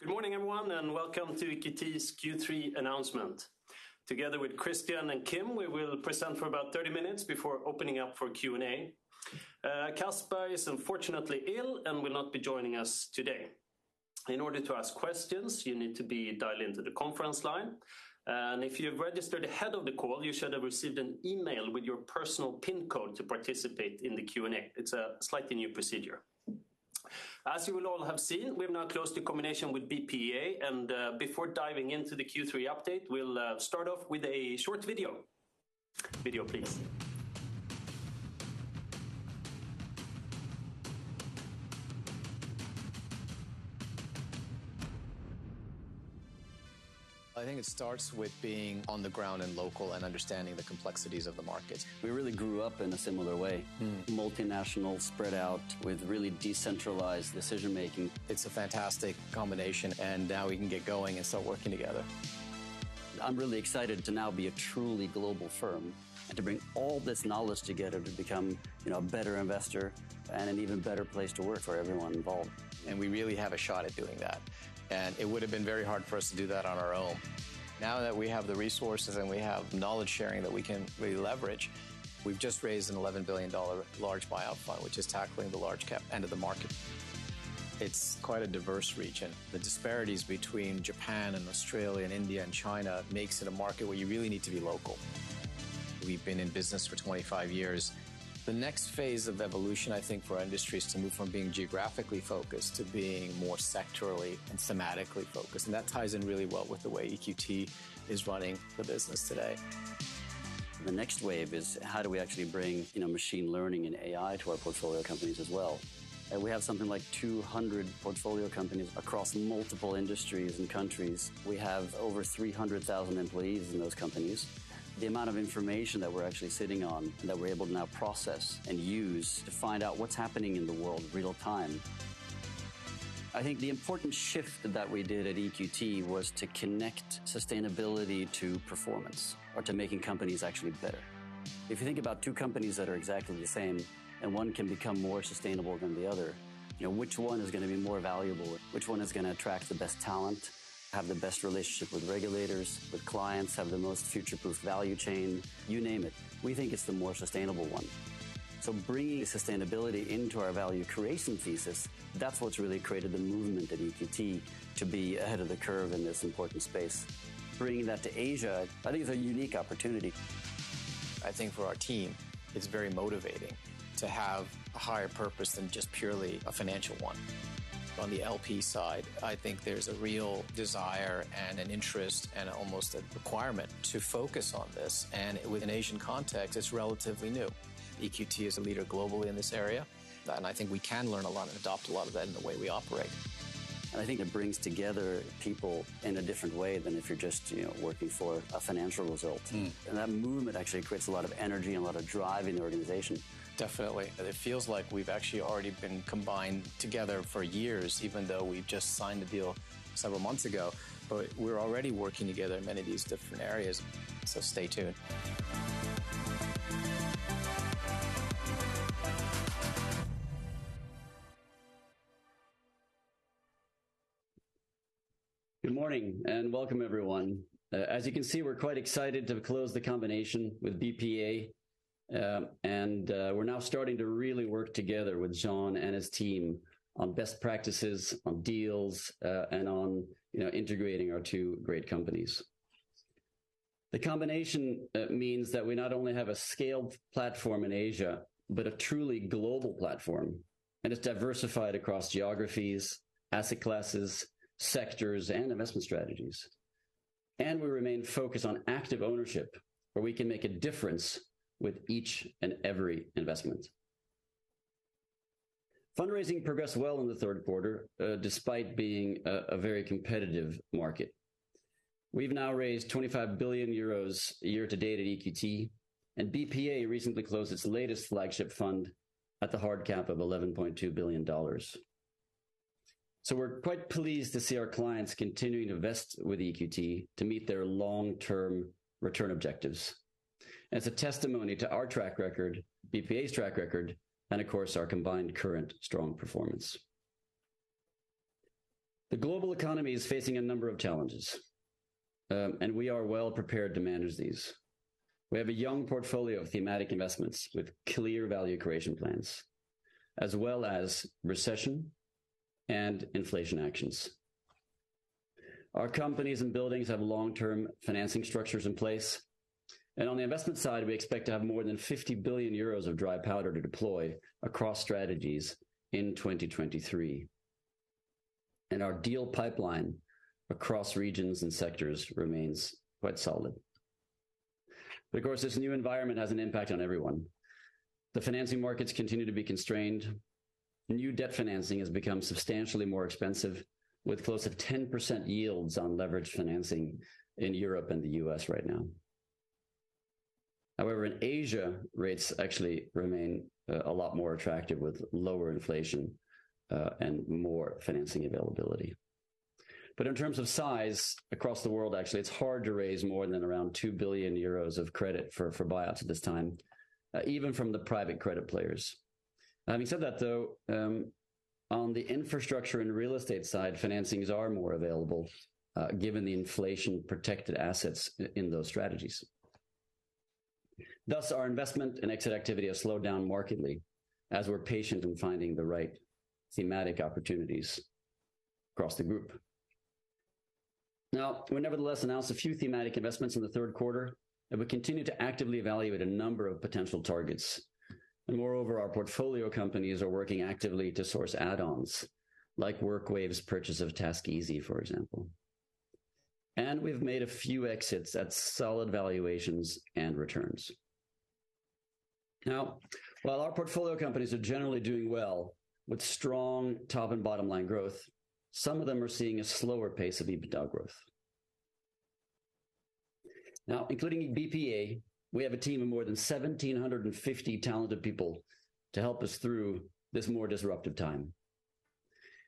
Good morning, everyone, and welcome to EQT's Q3 announcement. Together with Christian and Kim, we will present for about 30 minutes before opening up for Q&A. Caspar is unfortunately ill and will not be joining us today. In order to ask questions, you need to be dialed into the conference line. If you've registered ahead of the call, you should have received an email with your personal PIN code to participate in the Q&A. It's a slightly new procedure. As you will all have seen, we have now closed the combination with BPEA and before diving into the Q3 update, we'll start off with a short video. Video, please.M I think it starts with being on the ground and local and understanding the complexities of the markets. We really grew up in a similar way. Multinational spread out with really decentralized decision-making. It's a fantastic combination, and now we can get going and start working together. I'm really excited to now be a truly global firm and to bring all this knowledge together to become, you know, a better investor and an even better place to work for everyone involved. We really have a shot at doing that, and it would've been very hard for us to do that on our own. Now that we have the resources and we have knowledge sharing that we can really leverage, we've just raised a $11 billion large buyout fund, which is tackling the large cap end of the market. It's quite a diverse region. The disparities between Japan and Australia and India and China makes it a market where you really need to be local. We've been in business for 25 years. The next phase of evolution, I think, for our industry is to move from being geographically focused to being more sectorally and thematically focused, and that ties in really well with the way EQT is running the business today. The next wave is how do we actually bring, you know, machine learning and AI to our portfolio companies as well? We have something like 200 portfolio companies across multiple industries and countries. We have over 300,000 employees in those companies. The amount of information that we're actually sitting on and that we're able to now process and use to find out what's happening in the world real time. I think the important shift that we did at EQT was to connect sustainability to performance or to making companies actually better. If you think about two companies that are exactly the same and one can become more sustainable than the other, you know, which one is gonna be more valuable? Which one is gonna attract the best talent, have the best relationship with regulators, with clients, have the most future-proof value chain? You name it. We think it's the more sustainable one. Bringing sustainability into our value creation thesis, that's what's really created the movement at EQT to be ahead of the curve in this important space. Bringing that to Asia, I think, is a unique opportunity. I think for our team, it's very motivating to have a higher purpose than just purely a financial one. On the LP side, I think there's a real desire and an interest and almost a requirement to focus on this, and with an Asian context, it's relatively new. EQT is a leader globally in this area, and I think we can learn a lot and adopt a lot of that in the way we operate. I think it brings together people in a different way than if you're just, you know, working for a financial result. That movement actually creates a lot of energy and a lot of drive in the organization. Definitely. It feels like we've actually already been combined together for years, even though we just signed the deal several months ago. We're already working together in many of these different areas, so stay tuned. Good morning and welcome everyone. As you can see, we're quite excited to close the combination with BPEA, and we're now starting to really work together with John and his team on best practices, on deals, and on, you know, integrating our two great companies. The combination means that we not only have a scaled platform in Asia, but a truly global platform, and it's diversified across geographies, asset classes, sectors, and investment strategies. We remain focused on active ownership where we can make a difference with each and every investment. Fundraising progressed well in the third quarter, despite being a very competitive market. We've now raised 25 billion euros year to date at EQT, and BPEA recently closed its latest flagship fund at the hard cap of $11.2 billion. We're quite pleased to see our clients continuing to invest with EQT to meet their long-term return objectives. As a testimony to our track record, BPEA's track record, and of course, our combined current strong performance. The global economy is facing a number of challenges, and we are well prepared to manage these. We have a young portfolio of thematic investments with clear value creation plans, as well as recession and inflation actions. Our companies and buildings have long-term financing structures in place, and on the investment side, we expect to have more than 50 billion euros of dry powder to deploy across strategies in 2023. Our deal pipeline across regions and sectors remains quite solid. Of course, this new environment has an impact on everyone. The financing markets continue to be constrained. New debt financing has become substantially more expensive with close to 10% yields on leveraged financing in Europe and the US right now. However, in Asia, rates actually remain a lot more attractive with lower inflation and more financing availability. In terms of size across the world, actually, it's hard to raise more than around 2 billion euros of credit for buyouts at this time, even from the private credit players. Having said that, though, on the infrastructure and real estate side, financings are more available, given the inflation-protected assets in those strategies. Thus, our investment and exit activity has slowed down markedly as we're patient in finding the right thematic opportunities across the group. Now, we nevertheless announced a few thematic investments in the third quarter, and we continue to actively evaluate a number of potential targets. Moreover, our portfolio companies are working actively to source add-ons like WorkWave's purchase of TaskEasy, for example. We've made a few exits at solid valuations and returns. Now, while our portfolio companies are generally doing well with strong top and bottom-line growth, some of them are seeing a slower pace of EBITDA growth. Now, including BPEA, we have a team of more than 1,750 talented people to help us through this more disruptive time.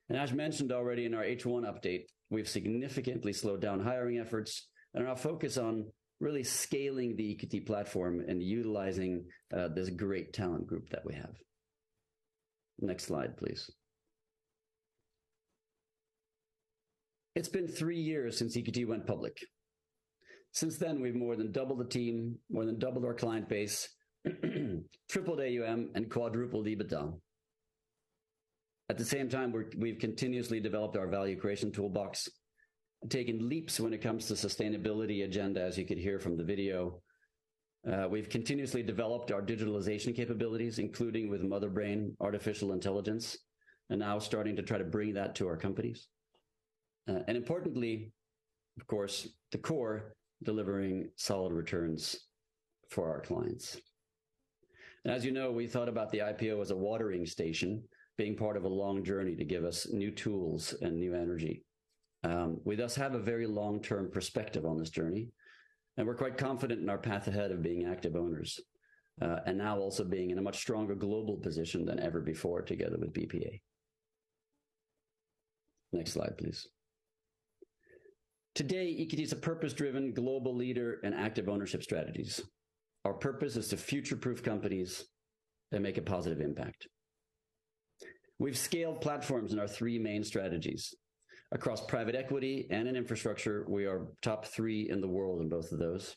As mentioned already in our H1 update, we've significantly slowed down hiring efforts and are now focused on really scaling the EQT platform and utilizing this great talent group that we have. Next slide, please. It's been three years since EQT went public. Since then, we've more than doubled the team, more than doubled our client base, tripled AUM, and quadrupled EBITDA. At the same time, we've continuously developed our value creation toolbox and taken leaps when it comes to sustainability agenda, as you could hear from the video. We've continuously developed our digitalization capabilities, including with Motherbrain artificial intelligence, and now starting to try to bring that to our companies. Importantly, of course, the core, delivering solid returns for our clients. As you know, we thought about the IPO as a watering station being part of a long journey to give us new tools and new energy. We thus have a very long-term perspective on this journey, and we're quite confident in our path ahead of being active owners, and now also being in a much stronger global position than ever before together with BPEA. Next slide, please. Today, EQT is a purpose-driven global leader in active ownership strategies. Our purpose is to future-proof companies that make a positive impact. We've scaled platforms in our three main strategies. Across private equity and in infrastructure, we are top 3 in the world in both of those.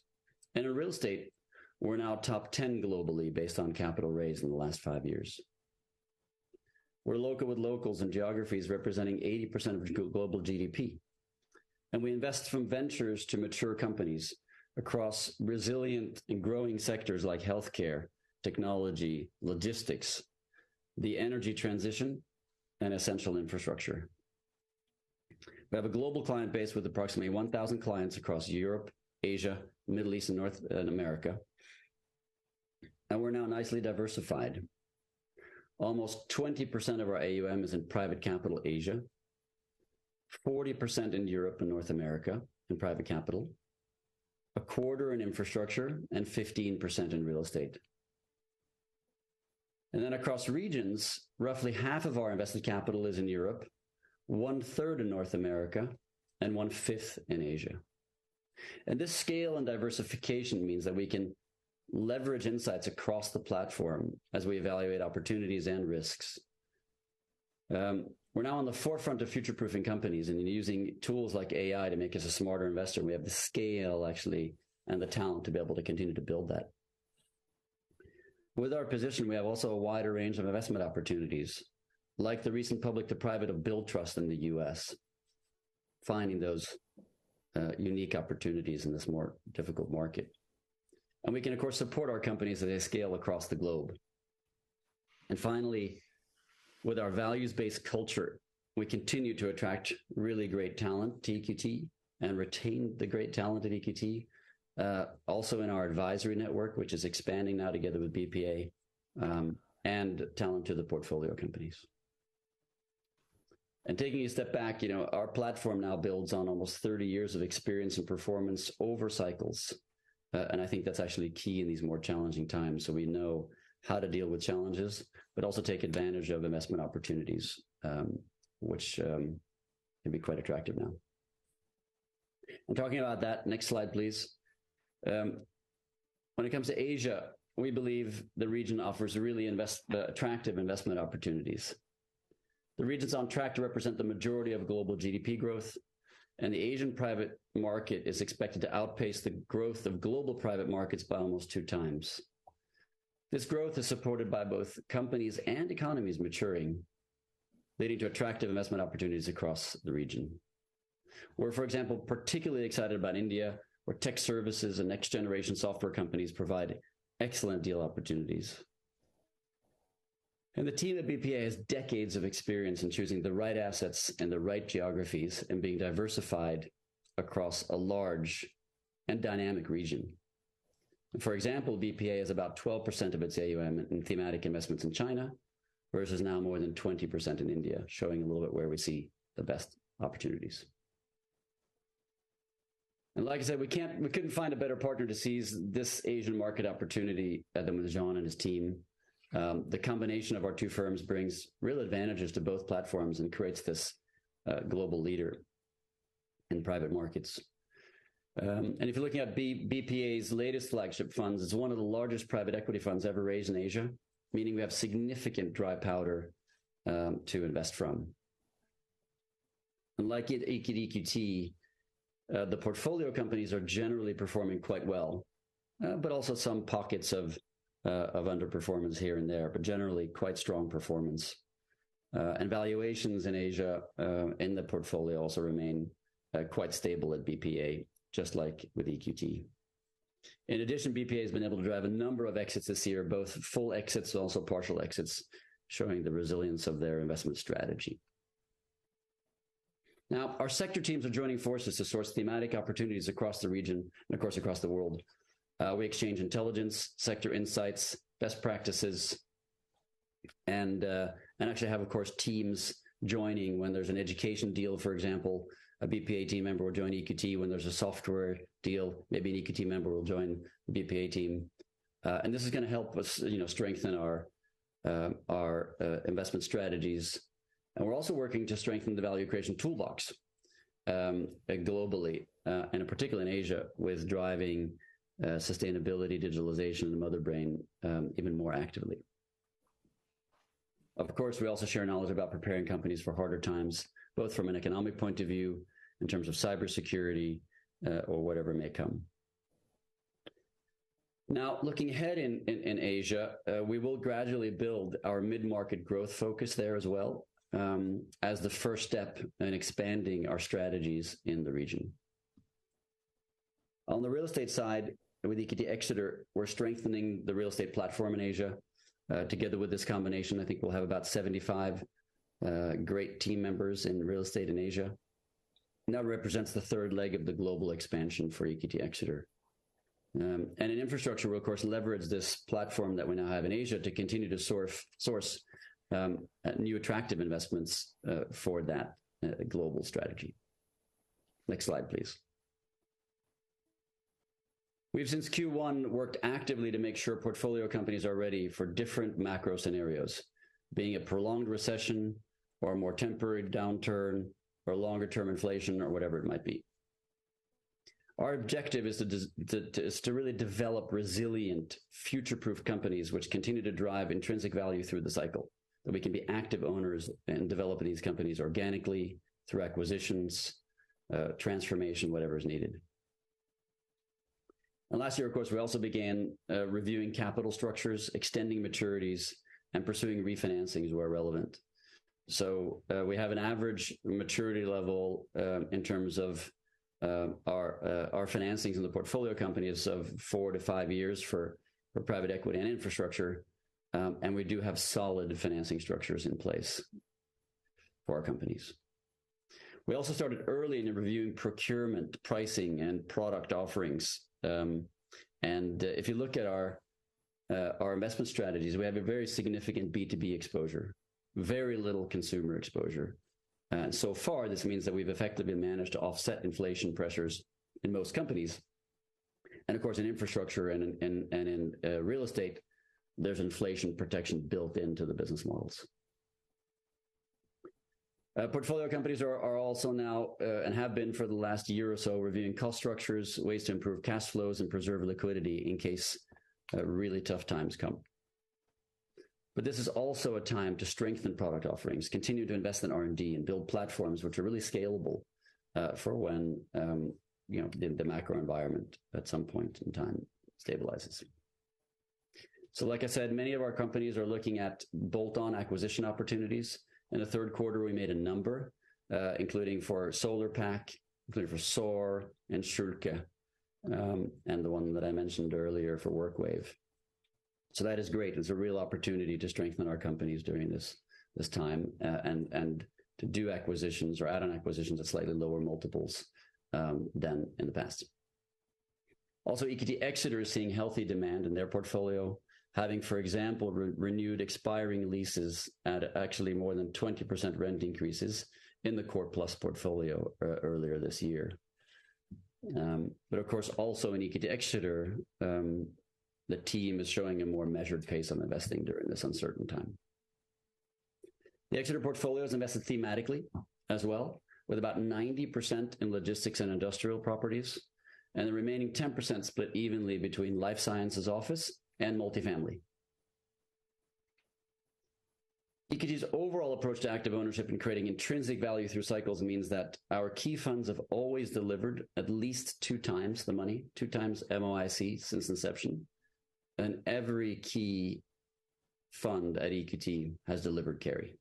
In real estate, we're now top 10 globally based on capital raised in the last 5 years. We're local with locals and geographies representing 80% of global GDP. We invest from ventures to mature companies across resilient and growing sectors like healthcare, technology, logistics, the energy transition, and essential infrastructure. We have a global client base with approximately 1,000 clients across Europe, Asia, Middle East, and North America, and we're now nicely diversified. Almost 20% of our AUM is in private capital Asia, 40% in Europe and North America in private capital, 25% in infrastructure, and 15% in real estate. Across regions, roughly half of our invested capital is in Europe, one-third in North America, and one-fifth in Asia. This scale and diversification means that we can leverage insights across the platform as we evaluate opportunities and risks. We're now on the forefront of future-proofing companies and in using tools like AI to make us a smarter investor. We have the scale, actually, and the talent to be able to continue to build that. With our position, we have also a wider range of investment opportunities, like the recent public to private of Billtrust in the U.S., finding those unique opportunities in this more difficult market. We can, of course, support our companies as they scale across the globe. Finally, with our values-based culture, we continue to attract really great talent to EQT and retain the great talent at EQT, also in our advisory network, which is expanding now together with BPEA, and talent to the portfolio companies. Taking a step back, you know, our platform now builds on almost 30 years of experience and performance over cycles, and I think that's actually key in these more challenging times, so we know how to deal with challenges but also take advantage of investment opportunities, which can be quite attractive now. Talking about that, next slide, please. When it comes to Asia, we believe the region offers really attractive investment opportunities. The region's on track to represent the majority of global GDP growth, and the Asian private market is expected to outpace the growth of global private markets by almost two times. This growth is supported by both companies and economies maturing, leading to attractive investment opportunities across the region. We're, for example, particularly excited about India, where tech services and next-generation software companies provide excellent deal opportunities. The team at BPEA has decades of experience in choosing the right assets and the right geographies and being diversified across a large and dynamic region. For example, BPEA has about 12% of its AUM in thematic investments in China versus now more than 20% in India, showing a little bit where we see the best opportunities. Like I said, we couldn't find a better partner to seize this Asian market opportunity than with Jean Salata and his team. The combination of our two firms brings real advantages to both platforms and creates this global leader in private markets. If you're looking at BPEA's latest flagship funds, it's one of the largest private equity funds ever raised in Asia, meaning we have significant dry powder to invest from. Like at EQT, the portfolio companies are generally performing quite well, but also some pockets of underperformance here and there, but generally quite strong performance. Valuations in Asia, in the portfolio also remain quite stable at BPEA, just like with EQT. In addition, BPEA has been able to drive a number of exits this year, both full exits, also partial exits, showing the resilience of their investment strategy. Now, our sector teams are joining forces to source thematic opportunities across the region and of course across the world. We exchange intelligence, sector insights, best practices, and and actually have, of course, teams joining when there's an education deal, for example, a BPEA team member will join EQT when there's a software deal, maybe an EQT member will join the BPEA team. This is gonna help us, you know, strengthen our investment strategies. We're also working to strengthen the value creation toolbox, globally, and in particular in Asia with driving sustainability, digitalization, and Motherbrain, even more actively. Of course, we also share knowledge about preparing companies for harder times, both from an economic point of view in terms of cybersecurity, or whatever may come. Now, looking ahead in Asia, we will gradually build our mid-market growth focus there as well, as the first step in expanding our strategies in the region. On the real estate side with EQT Exeter, we're strengthening the real estate platform in Asia. Together with this combination, I think we'll have about 75 great team members in real estate in Asia. Now represents the third leg of the global expansion for EQT Exeter. In infrastructure, we'll of course leverage this platform that we now have in Asia to continue to source new attractive investments for that global strategy. Next slide, please. We've since Q1 worked actively to make sure portfolio companies are ready for different macro scenarios, being a prolonged recession or a more temporary downturn or longer-term inflation or whatever it might be. Our objective is to really develop resilient future-proof companies which continue to drive intrinsic value through the cycle, that we can be active owners in developing these companies organically through acquisitions, transformation, whatever is needed. Last year, of course, we also began reviewing capital structures, extending maturities, and pursuing refinancings where relevant. We have an average maturity level in terms of our financings in the portfolio companies of four to five years for private equity and infrastructure. We do have solid financing structures in place for our companies. We also started early in reviewing procurement, pricing, and product offerings. If you look at our investment strategies, we have a very significant B2B exposure, very little consumer exposure. So far, this means that we've effectively managed to offset inflation pressures in most companies. Of course, in infrastructure and in real estate, there's inflation protection built into the business models. Portfolio companies are also now and have been for the last year or so, reviewing cost structures, ways to improve cash flows, and preserve liquidity in case really tough times come. This is also a time to strengthen product offerings, continue to invest in R&D, and build platforms which are really scalable, for when, you know, the macro environment at some point in time stabilizes. Like I said, many of our companies are looking at bolt-on acquisition opportunities. In the third quarter, we made a number, including for Solarpack, including for Saur and Schülke, and the one that I mentioned earlier for WorkWave. That is great. It's a real opportunity to strengthen our companies during this time, and to do acquisitions or add on acquisitions at slightly lower multiples, than in the past. Also, EQT Exeter is seeing healthy demand in their portfolio, having, for example, renewed expiring leases at actually more than 20% rent increases in the Core Plus portfolio earlier this year. Of course, also in EQT Exeter, the team is showing a more measured pace on investing during this uncertain time. The Exeter portfolio is invested thematically as well, with about 90% in logistics and industrial properties, and the remaining 10% split evenly between life sciences office and multifamily. EQT's overall approach to active ownership in creating intrinsic value through cycles means that our key funds have always delivered at least 2x the money, 2x MOIC since inception, and every key fund at EQT has delivered carry.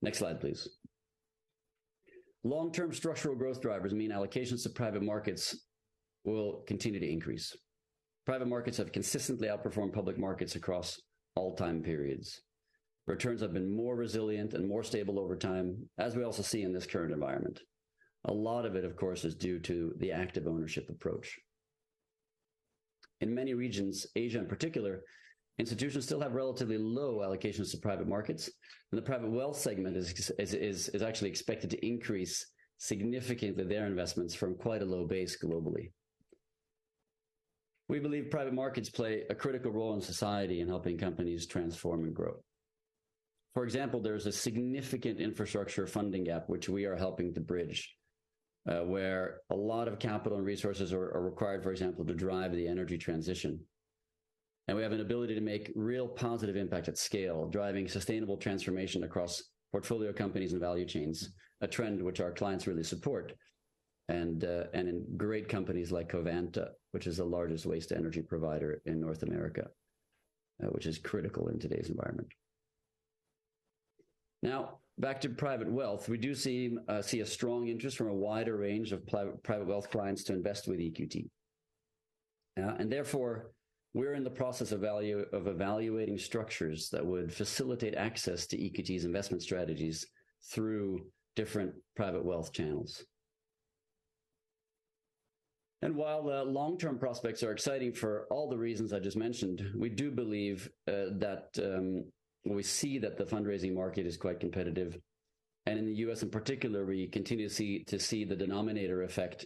Next slide, please. Long-term structural growth drivers mean allocations to private markets will continue to increase. Private markets have consistently outperformed public markets across all time periods. Returns have been more resilient and more stable over time, as we also see in this current environment. A lot of it, of course, is due to the active ownership approach. In many regions, Asia in particular, institutions still have relatively low allocations to private markets, and the private wealth segment is actually expected to increase significantly their investments from quite a low base globally. We believe private markets play a critical role in society in helping companies transform and grow. For example, there's a significant infrastructure funding gap which we are helping to bridge, where a lot of capital and resources are required, for example, to drive the energy transition. We have an ability to make real positive impact at scale, driving sustainable transformation across portfolio companies and value chains, a trend which our clients really support and in great companies like Covanta, which is the largest waste energy provider in North America, which is critical in today's environment. Now back to private wealth. We do see a strong interest from a wider range of private wealth clients to invest with EQT. Therefore, we're in the process of evaluating structures that would facilitate access to EQT's investment strategies through different private wealth channels. While the long-term prospects are exciting for all the reasons I just mentioned, we do believe that we see that the fundraising market is quite competitive. In the US in particular, we continue to see the denominator effect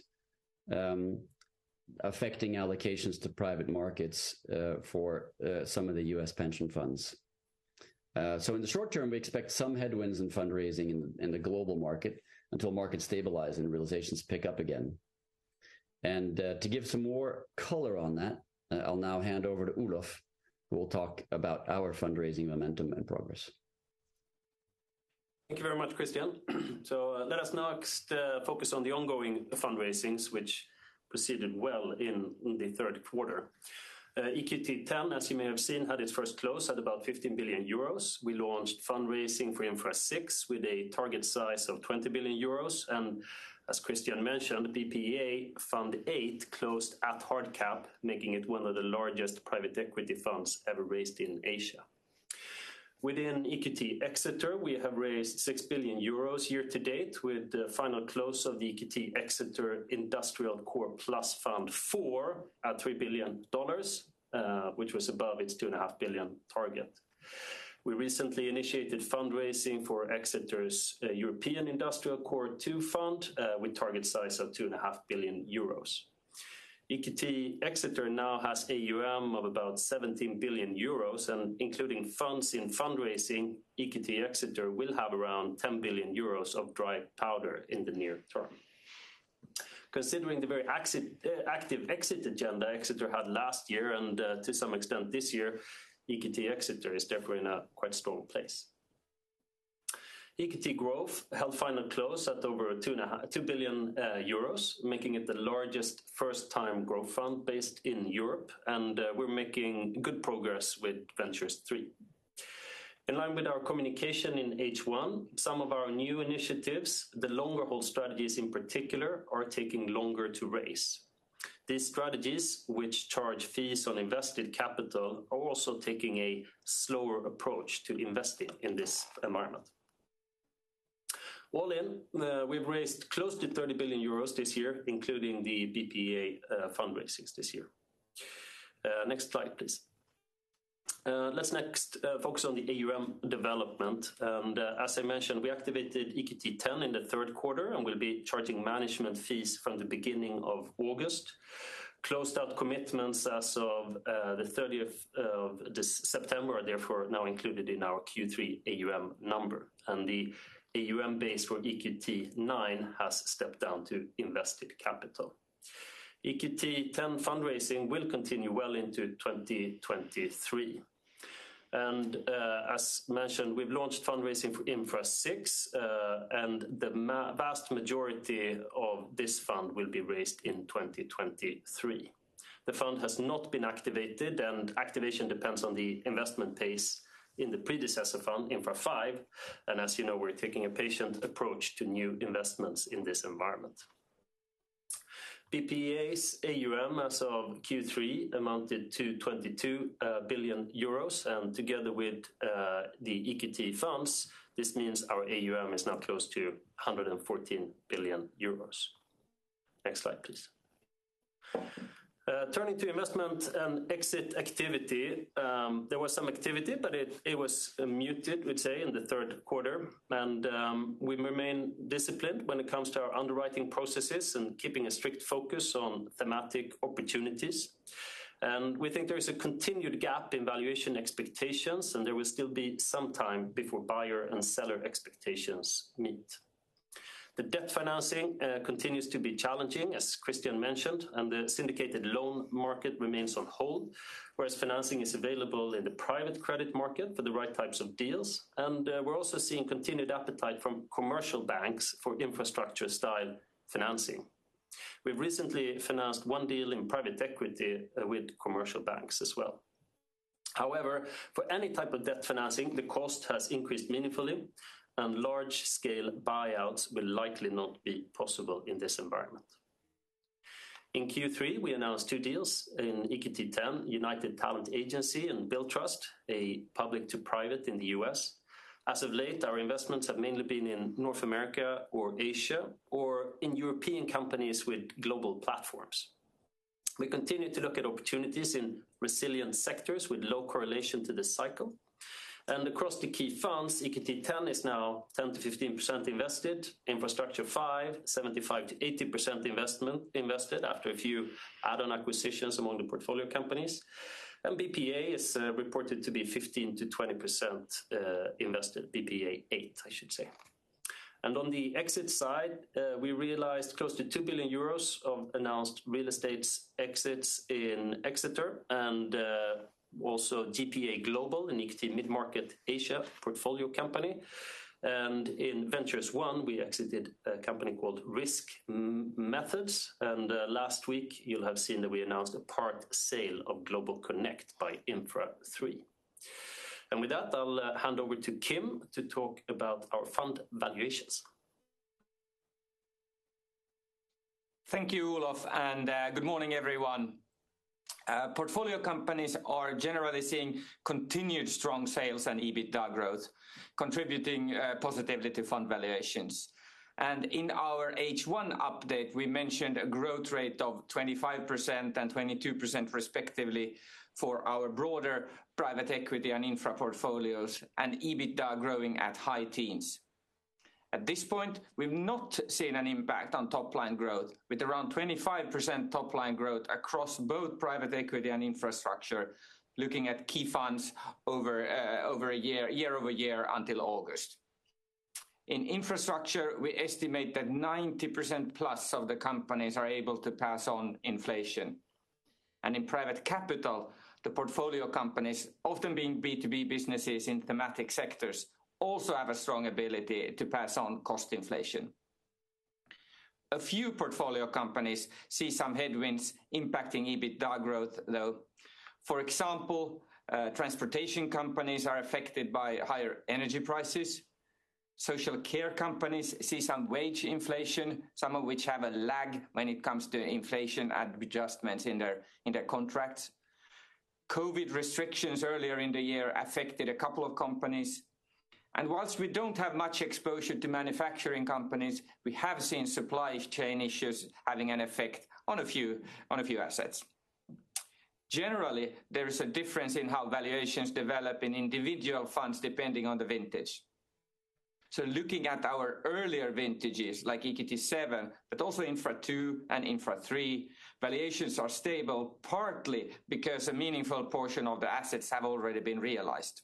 affecting allocations to private markets for some of the US pension funds. In the short term, we expect some headwinds in fundraising in the global market until markets stabilize and realizations pick up again. To give some more color on that, I'll now hand over to Olof, who will talk about our fundraising momentum and progress. Thank you very much, Christian. Let us now focus on the ongoing fundraisings which proceeded well in the third quarter. EQT X, as you may have seen, had its first close at about 15 billion euros. We launched fundraising for Infra VI with a target size of 20 billion euros, and as Christian mentioned, the BPEA Fund VIII closed at hard cap, making it one of the largest private equity funds ever raised in Asia. Within EQT Exeter, we have raised 6 billion euros year to date with the final close of the EQT Exeter Industrial Core-Plus Fund IV at $3 billion, which was above its $2.5 billion target. We recently initiated fundraising for Exeter's European Industrial Core II Fund with target size of 2.5 billion euros. EQT Exeter now has AUM of about 17 billion euros and including funds in fundraising, EQT Exeter will have around 10 billion euros of dry powder in the near term. Considering the very active exit agenda Exeter had last year and, to some extent this year, EQT Exeter is definitely in a quite strong place. EQT Growth held final close at over 2 billion euros, making it the largest first-time growth fund based in Europe, and we're making good progress with EQT Ventures III. In line with our communication in H1, some of our new initiatives, the longer-haul strategies in particular, are taking longer to raise. These strategies, which charge fees on invested capital, are also taking a slower approach to investing in this environment. All in, we've raised close to 30 billion euros this year, including the BPEA fundraisings this year. Next slide, please. Let's next focus on the AUM development. As I mentioned, we activated EQT X in the third quarter and will be charging management fees from the beginning of August. Closed out commitments as of the thirtieth of this September are therefore now included in our Q3 AUM number, and the AUM base for EQT IX has stepped down to invested capital. EQT X fundraising will continue well into 2023. As mentioned, we've launched fundraising for EQT Infrastructure VI, and the vast majority of this fund will be raised in 2023. The fund has not been activated, and activation depends on the investment pace in the predecessor fund, EQT Infrastructure V. As you know, we're taking a patient approach to new investments in this environment. BPEA's AUM as of Q3 amounted to 22 billion euros, and together with the EQT funds, this means our AUM is now close to 114 billion euros. Next slide, please. Turning to investment and exit activity, there was some activity, but it was muted, we'd say, in the third quarter. We remain disciplined when it comes to our underwriting processes and keeping a strict focus on thematic opportunities. We think there is a continued gap in valuation expectations, and there will still be some time before buyer and seller expectations meet. The debt financing continues to be challenging, as Christian mentioned, and the syndicated loan market remains on hold, whereas financing is available in the private credit market for the right types of deals. We're also seeing continued appetite from commercial banks for infrastructure-style financing. We've recently financed one deal in private equity with commercial banks as well. However, for any type of debt financing, the cost has increased meaningfully, and large-scale buyouts will likely not be possible in this environment. In Q3, we announced two deals in EQT X, United Talent Agency and Billtrust, a public to private in the US. As of late, our investments have mainly been in North America or Asia, or in European companies with global platforms. We continue to look at opportunities in resilient sectors with low correlation to this cycle. Across the key funds, EQT X is now 10%-15% invested. EQT Infrastructure V, 75%-80% invested after a few add-on acquisitions among the portfolio companies. BPEA is reported to be 15%-20% invested, BPEA VIII, I should say. On the exit side, we realized close to 2 billion euros of announced real estate exits in EQT Exeter and also GPA Global in EQT Mid Market Asia portfolio company. In EQT Ventures I, we exited a company called riskmethods. Last week you'll have seen that we announced a partial sale of GlobalConnect by EQT Infrastructure III. With that, I'll hand over to Kim to talk about our fund valuations. Thank you, Olof, and good morning, everyone. Portfolio companies are generally seeing continued strong sales and EBITDA growth, contributing positively to fund valuations. In our H1 update, we mentioned a growth rate of 25% and 22% respectively for our broader private equity and infra portfolios and EBITDA growing at high teens. At this point, we've not seen an impact on top line growth with around 25% top line growth across both private equity and infrastructure, looking at key funds year-over-year until August. In infrastructure, we estimate that 90%+ of the companies are able to pass on inflation. In private capital, the portfolio companies, often being B2B businesses in thematic sectors, also have a strong ability to pass on cost inflation. A few portfolio companies see some headwinds impacting EBITDA growth, though. For example, transportation companies are affected by higher energy prices. Social care companies see some wage inflation, some of which have a lag when it comes to inflation and adjustments in their, in their contracts. COVID restrictions earlier in the year affected a couple of companies. While we don't have much exposure to manufacturing companies, we have seen supply chain issues having an effect on a few assets. Generally, there is a difference in how valuations develop in individual funds depending on the vintage. Looking at our earlier vintages like EQT VII, but also EQT Infrastructure II and EQT Infrastructure III, valuations are stable, partly because a meaningful portion of the assets have already been realized.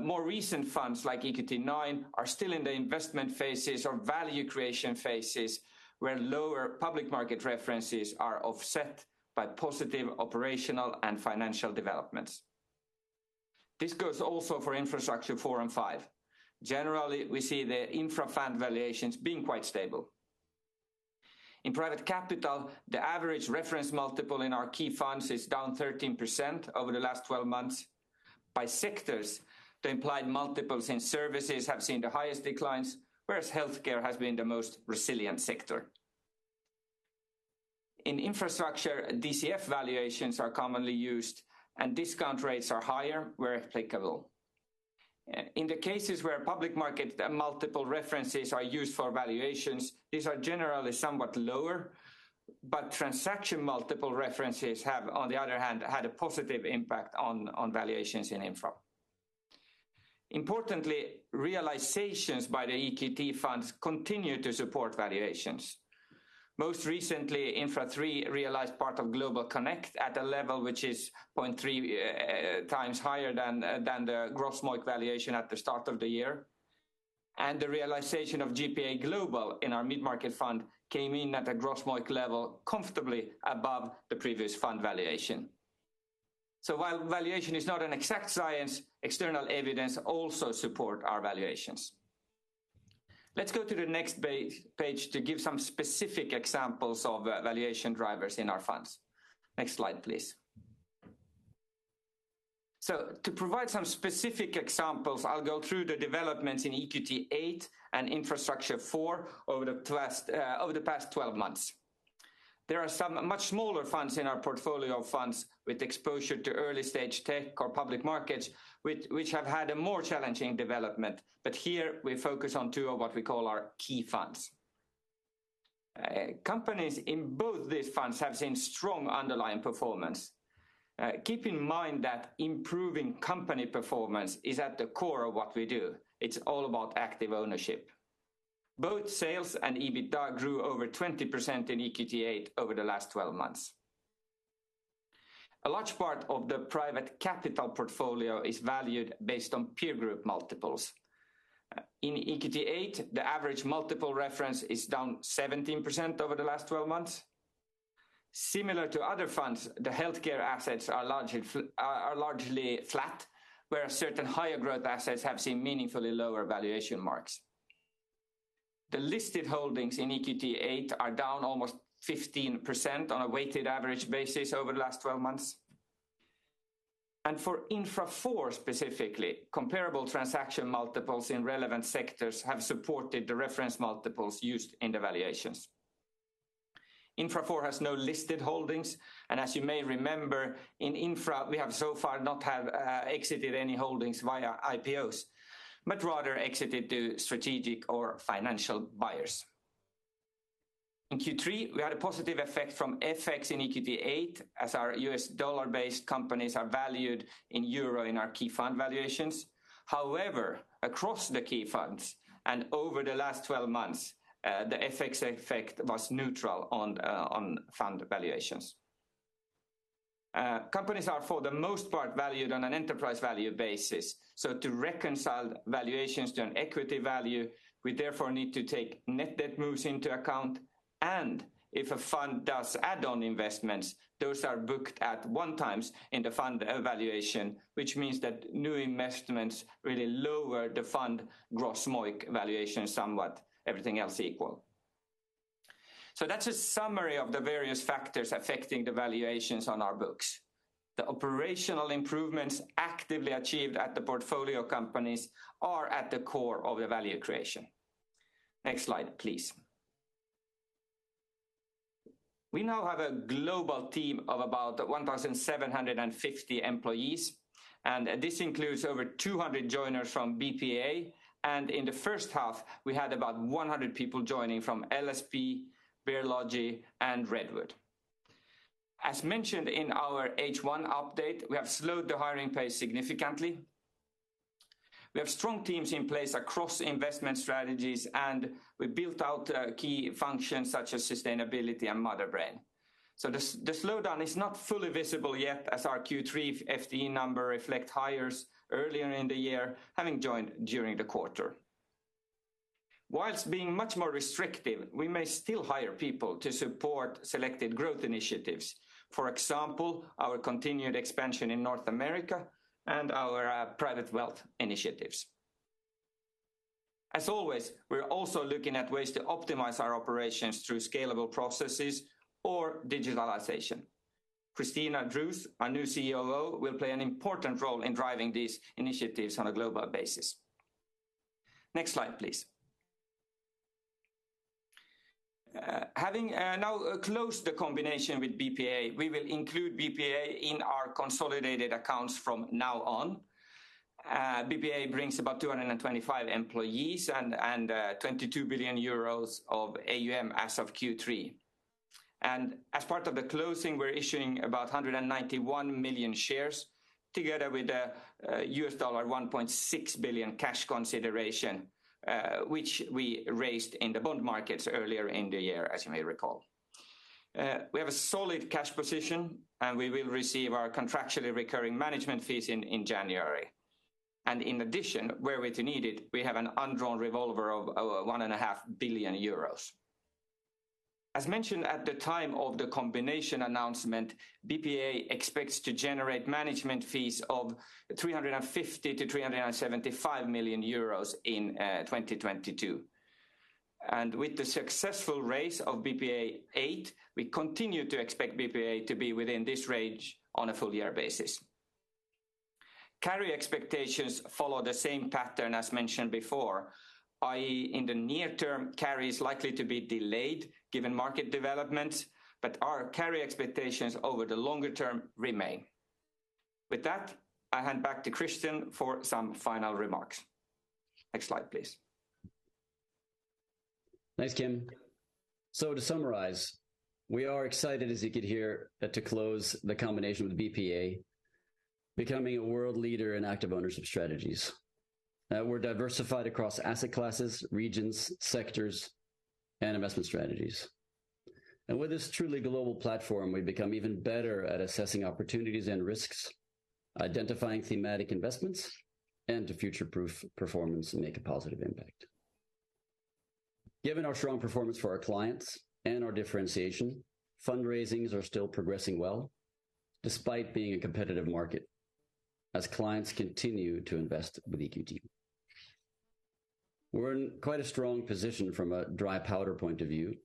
More recent funds like EQT IX are still in the investment phases or value creation phases, where lower public market references are offset by positive operational and financial developments. This goes also for Infrastructure IV and V. Generally, we see the infrastructure fund valuations being quite stable. In private capital, the average reference multiple in our key funds is down 13% over the last 12 months. By sectors, the implied multiples in services have seen the highest declines, whereas healthcare has been the most resilient sector. In infrastructure, DCF valuations are commonly used and discount rates are higher where applicable. In the cases where public market multiple references are used for valuations, these are generally somewhat lower, but transaction multiple references have, on the other hand, had a positive impact on valuations in infrastructure. Importantly, realizations by the EQT funds continue to support valuations. Most recently, Infra III realized part of GlobalConnect at a level which is 0.3 times higher than the gross MOIC valuation at the start of the year. The realization of GPA Global in our mid-market fund came in at a gross MOIC level comfortably above the previous fund valuation. While valuation is not an exact science, external evidence also support our valuations. Let's go to the next page to give some specific examples of valuation drivers in our funds. Next slide, please. To provide some specific examples, I'll go through the developments in EQT VIII and EQT Infrastructure IV over the past 12 months. There are some much smaller funds in our portfolio of funds with exposure to early-stage tech or public markets which have had a more challenging development. Here we focus on two of what we call our key funds. Companies in both these funds have seen strong underlying performance. Keep in mind that improving company performance is at the core of what we do. It's all about active ownership. Both sales and EBITDA grew over 20% in EQT VIII over the last 12 months. A large part of the private capital portfolio is valued based on peer group multiples. In EQT VIII, the average multiple reference is down 17% over the last 12 months. Similar to other funds, the healthcare assets are largely flat, where certain higher growth assets have seen meaningfully lower valuation marks. The listed holdings in EQT VIII are down almost 15% on a weighted average basis over the last 12 months. For Infra IV specifically, comparable transaction multiples in relevant sectors have supported the reference multiples used in the valuations. Infra IV has no listed holdings, and as you may remember, in Infra we have so far not have exited any holdings via IPOs, but rather exited to strategic or financial buyers. In Q3, we had a positive effect from FX in EQT VIII as our U.S. dollar-based companies are valued in euro in our key fund valuations. However, across the key funds and over the last 12 months, the FX effect was neutral on fund valuations. Companies are for the most part valued on an enterprise value basis, so to reconcile valuations to an equity value, we therefore need to take net debt moves into account and if a fund does add-on investments, those are booked at 1x in the fund valuation, which means that new investments really lower the fund gross MOIC valuation somewhat, everything else equal. That's a summary of the various factors affecting the valuations on our books. The operational improvements actively achieved at the portfolio companies are at the core of the value creation. Next slide, please. We now have a global team of about 1,750 employees, and this includes over 200 joiners from BPEA. In the first half, we had about 100 people joining from LSP, Bear Logi `and Redwood. As mentioned in our H1 update, we have slowed the hiring pace significantly. We have strong teams in place across investment strategies, and we built out key functions such as sustainability and Motherbrain. The slowdown is not fully visible yet as our Q3 FTE number reflect hires earlier in the year, having joined during the quarter. While being much more restrictive, we may still hire people to support selected growth initiatives, for example, our continued expansion in North America and our private wealth initiatives. As always, we're also looking at ways to optimize our operations through scalable processes or digitalization. Christina Drews, our new COO, will play an important role in driving these initiatives on a global basis. Next slide, please. Having now closed the combination with BPEA, we will include BPEA in our consolidated accounts from now on. BPEA brings about 225 employees and 22 billion euros of AUM as of Q3. As part of the closing, we're issuing about 191 million shares together with a US dollar $1.6 billion cash consideration, which we raised in the bond markets earlier in the year, as you may recall. We have a solid cash position, and we will receive our contractually recurring management fees in January. In addition, where needed, we have an undrawn revolver of 1.5 billion euros. As mentioned at the time of the combination announcement, BPEA expects to generate management fees of 350 million-375 million euros in 2022. With the successful raise of BPEA VIII, we continue to expect BPEA to be within this range on a full year basis. Carry expectations follow the same pattern as mentioned before, i.e. in the near term, carry is likely to be delayed given market developments, but our carry expectations over the longer term remain. With that, I hand back to Christian for some final remarks. Next slide, please. Thanks, Kim. To summarize, we are excited, as you could hear, to close the combination with BPEA, becoming a world leader in active ownership strategies. We're diversified across asset classes, regions, sectors, and investment strategies. With this truly global platform, we become even better at assessing opportunities and risks, identifying thematic investments, and to future-proof performance and make a positive impact. Given our strong performance for our clients and our differentiation, fundraisings are still progressing well despite being a competitive market as clients continue to invest with EQT. We're in quite a strong position from a dry powder point of view,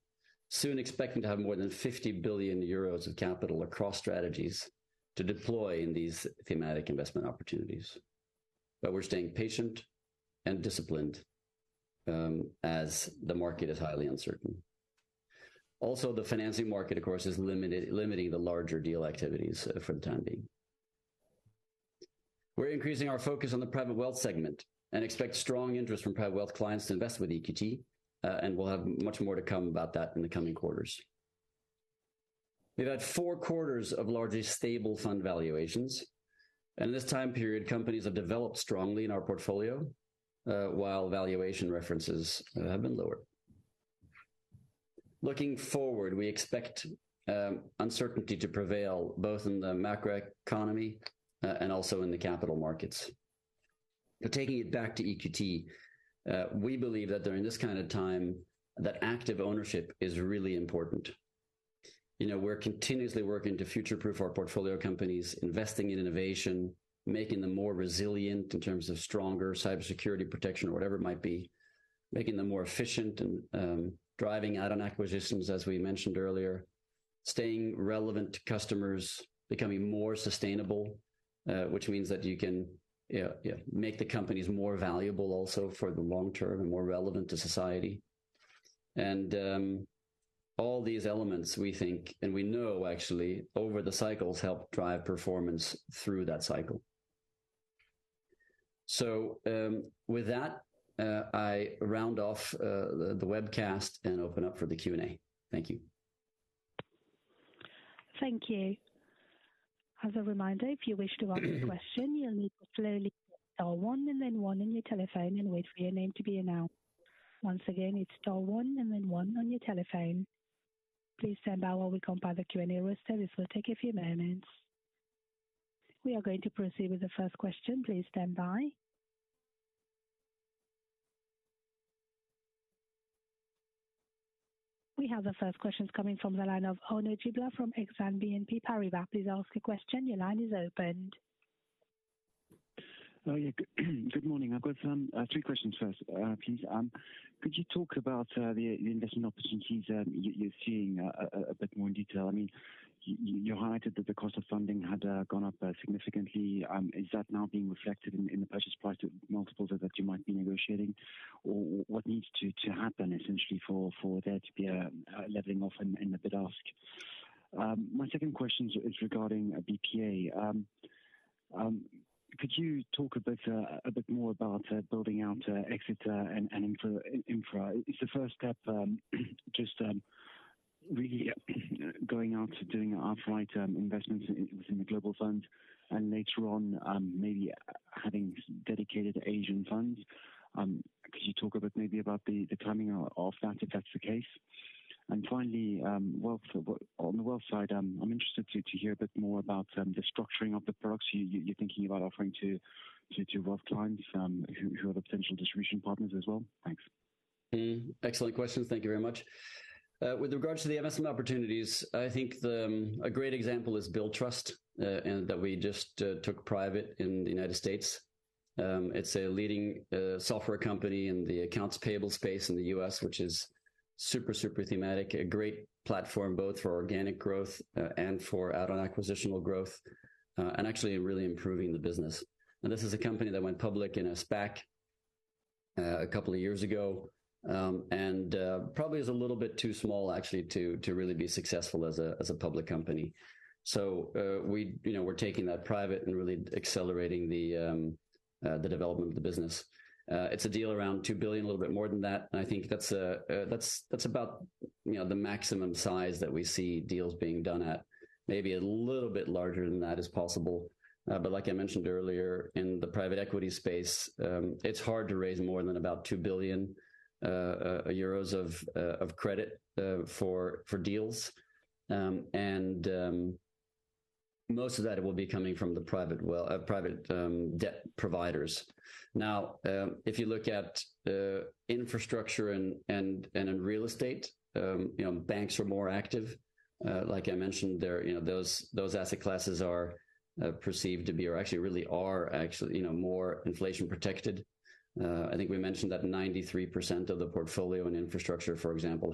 soon expecting to have more than 50 billion euros of capital across strategies to deploy in these thematic investment opportunities. We're staying patient and disciplined, as the market is highly uncertain. Also, the financing market, of course, is limiting the larger deal activities for the time being. We're increasing our focus on the private wealth segment and expect strong interest from private wealth clients to invest with EQT, and we'll have much more to come about that in the coming quarters. We've had four quarters of largely stable fund valuations. In this time period, companies have developed strongly in our portfolio while valuation references have been lower. Looking forward, we expect uncertainty to prevail both in the macroeconomy and also in the capital markets. Taking it back to EQT, we believe that during this kind of time that active ownership is really important. You know, we're continuously working to future-proof our portfolio companies, investing in innovation, making them more resilient in terms of stronger cybersecurity protection or whatever it might be. Making them more efficient and driving add-on acquisitions as we mentioned earlier, staying relevant to customers, becoming more sustainable, which means that you can, you know, make the companies more valuable also for the long term and more relevant to society. All these elements we think and we know actually over the cycles help drive performance through that cycle. With that, I round off the webcast and open up for the Q&A. Thank you. Thank you. As a reminder, if you wish to ask a question, you'll need to clearly star one and then one on your telephone and wait for your name to be announced. Once again, it's star one and then one on your telephone. Please stand by while we compile the Q&A roster. This will take a few moments. We are going to proceed with the first question. Please stand by. We have the first questions coming from the line of Arnaud Giblat from Exane BNP Paribas. Please ask a question. Your line is opened. Oh, yeah. Good morning. I've got three questions first, please. Could you talk about the investing opportunities you're seeing a bit more in detail? I mean, you highlighted that the cost of funding had gone up significantly. Is that now being reflected in the purchase price multiples that you might be negotiating? Or what needs to happen essentially for there to be a leveling off in the bid-ask? My second question is regarding BPEA. Could you talk a bit more about building out Exeter and Infra? Is the first step just really going out doing outright investments within the global funds and later on maybe having dedicated Asian funds? Could you talk a bit maybe about the timing of that, if that's the case? Finally, on the wealth side, I'm interested to hear a bit more about the structuring of the products you're thinking about offering to wealth clients, who are the potential distribution partners as well. Thanks. Excellent questions. Thank you very much. With regards to the investment opportunities, I think a great example is Billtrust, and that we just took private in the United States. It's a leading software company in the accounts receivable space in the US, which is super thematic. A great platform both for organic growth and for add-on acquisitional growth, and actually really improving the business. This is a company that went public in a SPAC a couple of years ago, and probably is a little bit too small actually to really be successful as a public company. We, you know, we're taking that private and really accelerating the development of the business. It's a deal around 2 billion, a little bit more than that, and I think that's about, you know, the maximum size that we see deals being done at. Maybe a little bit larger than that is possible. But like I mentioned earlier, in the private equity space, it's hard to raise more than about 2 billion euros of credit for deals. Most of that will be coming from the private debt providers. Now, if you look at infrastructure and in real estate, you know, banks are more active. Like I mentioned there, you know, those asset classes are perceived to be or actually are more inflation protected. I think we mentioned that 93% of the portfolio in infrastructure, for example,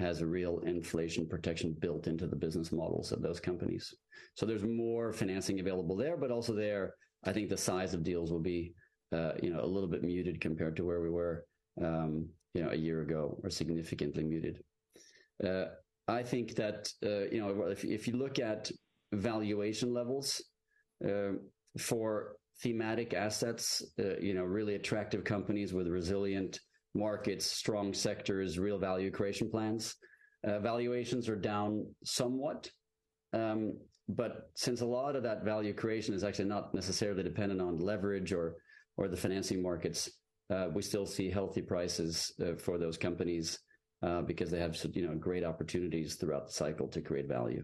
has a real inflation protection built into the business models of those companies. There's more financing available there, but also there, I think the size of deals will be, you know, a little bit muted compared to where we were, you know, a year ago, or significantly muted. I think that, you know, if you look at valuation levels, for thematic assets, you know, really attractive companies with resilient markets, strong sectors, real value creation plans, valuations are down somewhat. Since a lot of that value creation is actually not necessarily dependent on leverage or the financing markets, we still see healthy prices for those companies because they have you know, great opportunities throughout the cycle to create value.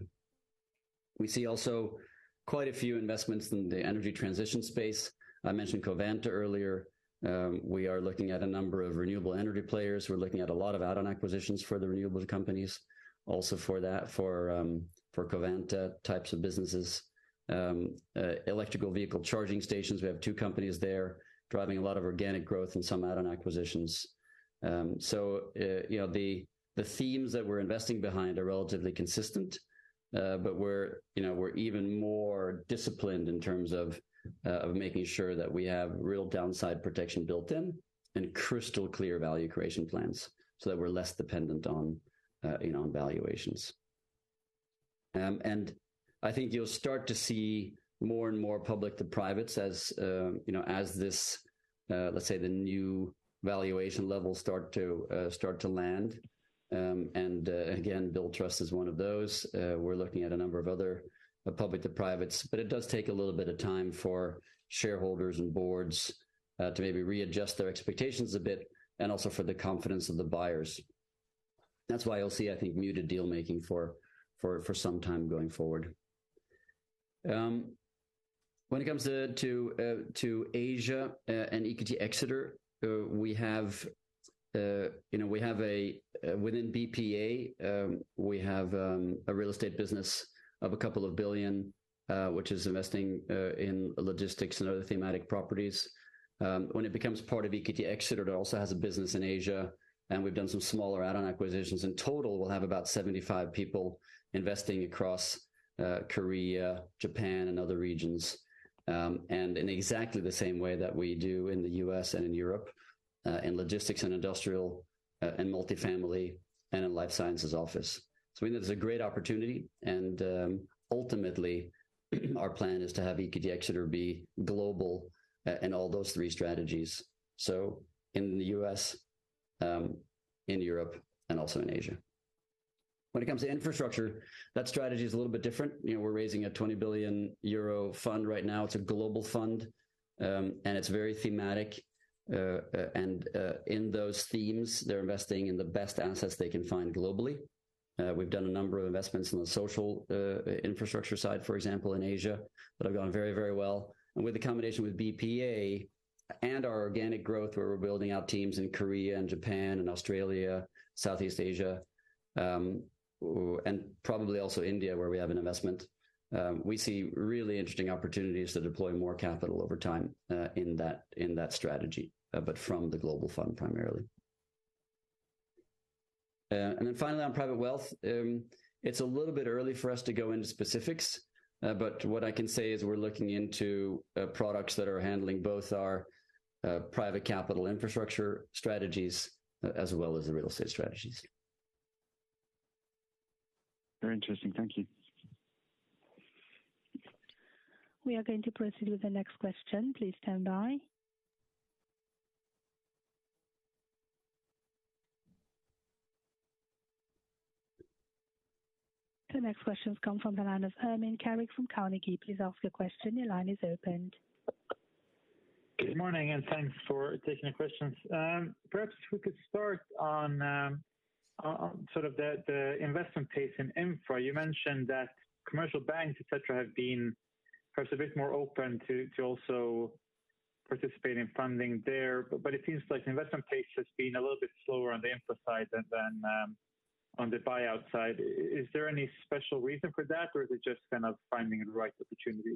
We see also quite a few investments in the energy transition space. I mentioned Covanta earlier. We are looking at a number of renewable energy players. We're looking at a lot of add-on acquisitions for the renewable companies. Also for that for Covanta types of businesses. Electric vehicle charging stations, we have two companies there driving a lot of organic growth and some add-on acquisitions. You know, the themes that we're investing behind are relatively consistent, but we're, you know, we're even more disciplined in terms of of making sure that we have real downside protection built in and crystal clear value creation plans so that we're less dependent on, you know, on valuations. I think you'll start to see more and more public to privates as, you know, as this, let's say the new valuation levels start to land. Again, Billtrust is one of those. We're looking at a number of other public to privates, but it does take a little bit of time for shareholders and boards to maybe readjust their expectations a bit and also for the confidence of the buyers. That's why you'll see, I think, muted deal making for some time going forward. When it comes to Asia and EQT Exeter, we have, you know, within BPEA, we have a real estate business of a couple of billion EUR, which is investing in logistics and other thematic properties. When it becomes part of EQT Exeter, it also has a business in Asia. We've done some smaller add-on acquisitions. In total, we'll have about 75 people investing across Korea, Japan, and other regions, and in exactly the same way that we do in the US and in Europe, in logistics and industrial, and multifamily and in life sciences office. We think there's a great opportunity, and ultimately, our plan is to have EQT Exeter be global in all those three strategies, so in the U.S., in Europe, and also in Asia. When it comes to infrastructure, that strategy is a little bit different. You know, we're raising a 20 billion euro fund right now. It's a global fund, and it's very thematic. And in those themes, they're investing in the best assets they can find globally. We've done a number of investments on the social infrastructure side, for example, in Asia, that have gone very well. With the combination with BPEA and our organic growth, where we're building out teams in Korea and Japan and Australia, Southeast Asia, and probably also India, where we have an investment, we see really interesting opportunities to deploy more capital over time, in that strategy, but from the global fund primarily. Finally on private wealth, it's a little bit early for us to go into specifics. But what I can say is we're looking into products that are handling both our private capital infrastructure strategies as well as the real estate strategies. Very interesting. Thank you. We are going to proceed with the next question. Please stand by. The next question comes from the line of Ermin Keric from Carnegie. Please ask your question. Your line is opened. Good morning, and thanks for taking the questions. Perhaps we could start on, sort of, the investment pace in Infra. You mentioned that commercial banks, et cetera, have been perhaps a bit more open to also participate in funding there. It seems like investment pace has been a little bit slower on the Infra side than on the buyout side. Is there any special reason for that, or is it just kind of finding the right opportunity?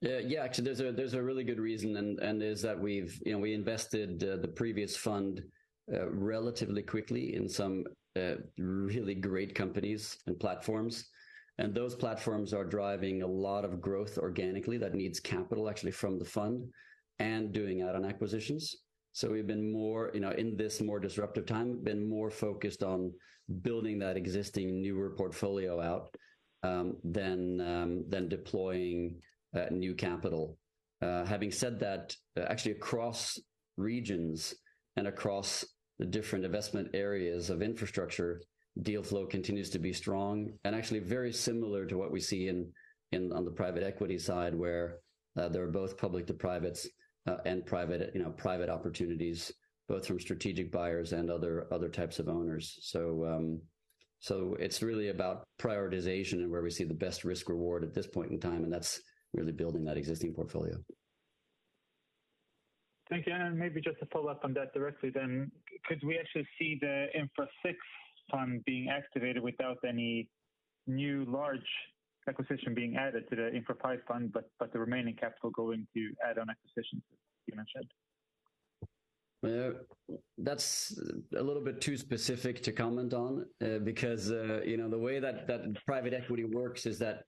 Yeah. Yeah, actually, there's a really good reason, and is that we've. You know, we invested the previous fund relatively quickly in some really great companies and platforms, and those platforms are driving a lot of growth organically that needs capital actually from the fund and doing add-on acquisitions. We've been more, you know, in this more disruptive time, been more focused on building that existing newer portfolio out than deploying new capital. Having said that, actually across regions and across the different investment areas of infrastructure, deal flow continues to be strong and actually very similar to what we see in on the private equity side, where there are both public to privates and private opportunities, both from strategic buyers and other types of owners. It's really about prioritization and where we see the best risk-reward at this point in time, and that's really building that existing portfolio. Thank you. Maybe just to follow up on that directly then. Could we actually see the Infra VI fund being activated without any new large acquisition being added to the Infra V fund, but the remaining capital going to add-on acquisitions, as you mentioned? That's a little bit too specific to comment on, because you know, the way that private equity works is that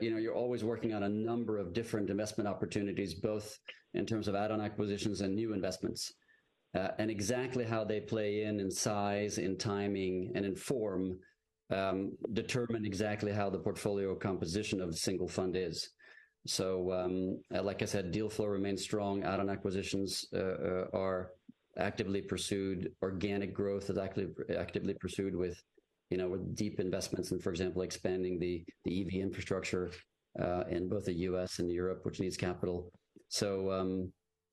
you know, you're always working on a number of different investment opportunities, both in terms of add-on acquisitions and new investments. Exactly how they play in size, in timing, and in form determine exactly how the portfolio composition of a single fund is. Like I said, deal flow remains strong. Add-on acquisitions are actively pursued. Organic growth is actively pursued with you know, with deep investments in, for example, expanding the EV infrastructure in both the U.S. and Europe, which needs capital.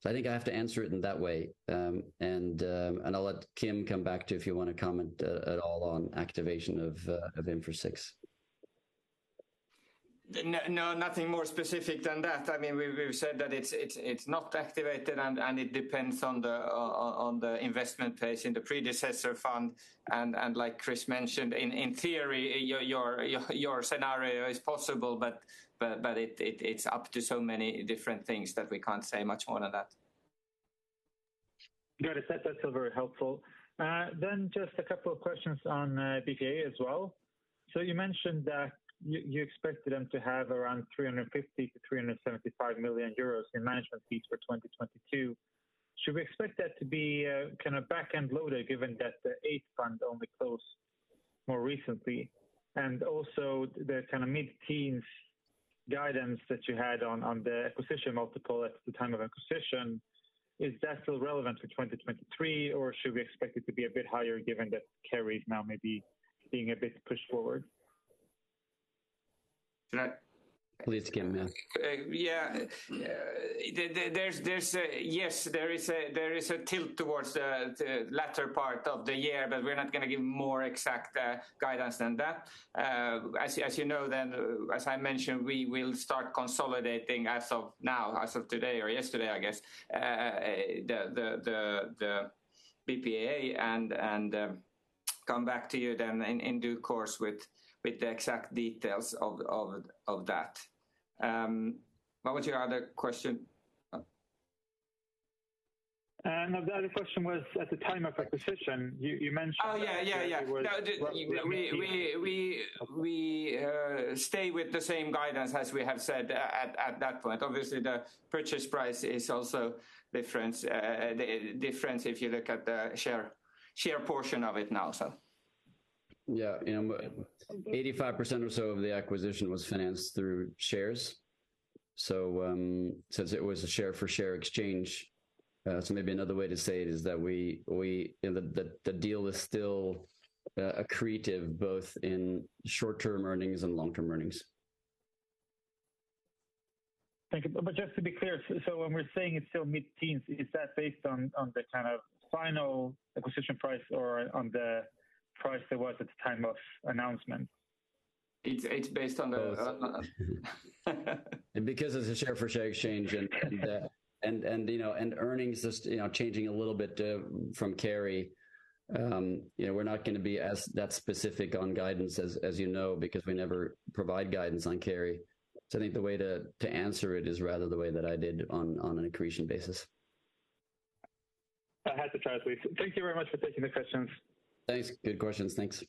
I think I have to answer it in that way. I'll let Kim come back to if you wanna comment at all on activation of Infra VI. No, nothing more specific than that. I mean, we've said that it's not activated, and it depends on the investment pace in the predecessor fund. Like Chris mentioned, in theory, your scenario is possible, but it is up to so many different things that we can't say much more on that. Got it. That's still very helpful. Then just a couple of questions on BPEA as well. So you mentioned that you expected them to have around 350 million-375 million euros in management fees for 2022. Should we expect that to be kind of back-end loaded, given that the eighth fund only closed more recently? And also, the kind of mid-teens guidance that you had on the acquisition multiple at the time of acquisition, is that still relevant for 2023, or should we expect it to be a bit higher given that carry is now maybe being a bit pushed forward? Please, Kim. Yeah. There's a tilt towards the latter part of the year, but we're not gonna give more exact guidance than that. As you know then, as I mentioned, we will start consolidating as of now, as of today or yesterday, I guess, the BPEA and come back to you then in due course with the exact details of that. What was your other question? The other question was at the time of acquisition, you mentioned. Oh, yeah, yeah. No, we stay with the same guidance as we have said at that point. Obviously, the purchase price is also different if you look at the share portion of it now, so. Yeah. 85% or so of the acquisition was financed through shares. Since it was a share for share exchange, maybe another way to say it is that the deal is still accretive both in short-term earnings and long-term earnings. Thank you. Just to be clear, so when we're saying it's still mid-teens, is that based on the kind of final acquisition price or on the price there was at the time of announcement? It's based on the Because it's a share for share exchange and earnings just, you know, changing a little bit from carry, you know, we're not gonna be as specific on guidance as you know, because we never provide guidance on carry. I think the way to answer it is rather the way that I did on an accretion basis. I had to try at least. Thank you very much for taking the questions. Thanks. Good questions. Thanks.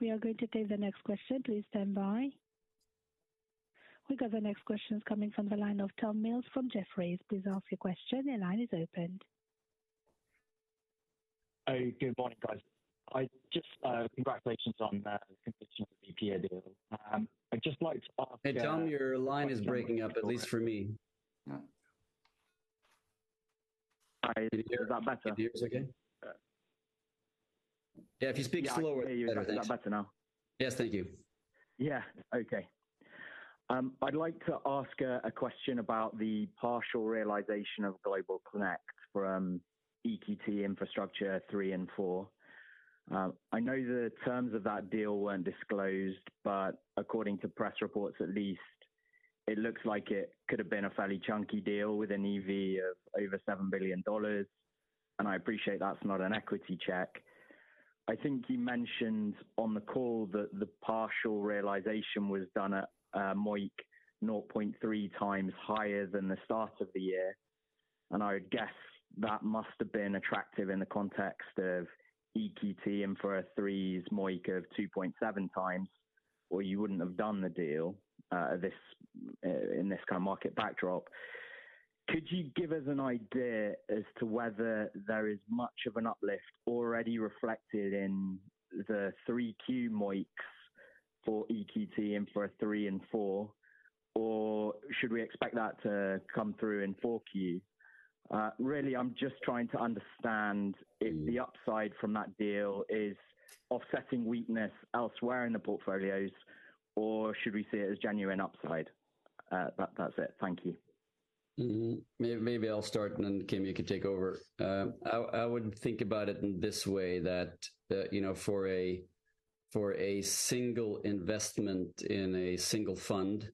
We are going to take the next question. Please stand by. We got the next question is coming from the line of Tom Mills from Jefferies. Please ask your question. The line is open. Oh, good morning, guys. Congratulations on the completion of the BPEA deal. I'd just like to ask, Hey, Tom, your line is breaking up, at least for me. All right. Is that better? Is it okay? Uh. Yeah, if you speak slower. Yeah, I can hear you. Is that better now? Yes. Thank you. Yeah. Okay. I'd like to ask a question about the partial realization of GlobalConnect from EQT Infrastructure III and IV. I know the terms of that deal weren't disclosed, but according to press reports, at least it looks like it could have been a fairly chunky deal with an EV of over $7 billion, and I appreciate that's not an equity check. I think you mentioned on the call that the partial realization was done at MOIC 0.3 times higher than the start of the year, and I would guess that must have been attractive in the context of EQT. For III's MOIC of 2.7 times, or you wouldn't have done the deal in this kind of market backdrop. Could you give us an idea as to whether there is much of an uplift already reflected in the 3Q MOICs for EQT and for a three and four, or should we expect that to come through in 4Q? Really, I'm just trying to understand if the upside from that deal is offsetting weakness elsewhere in the portfolios, or should we see it as genuine upside? That's it. Thank you. Maybe I'll start and then, Kim, you can take over. I would think about it in this way that, you know, for a single investment in a single fund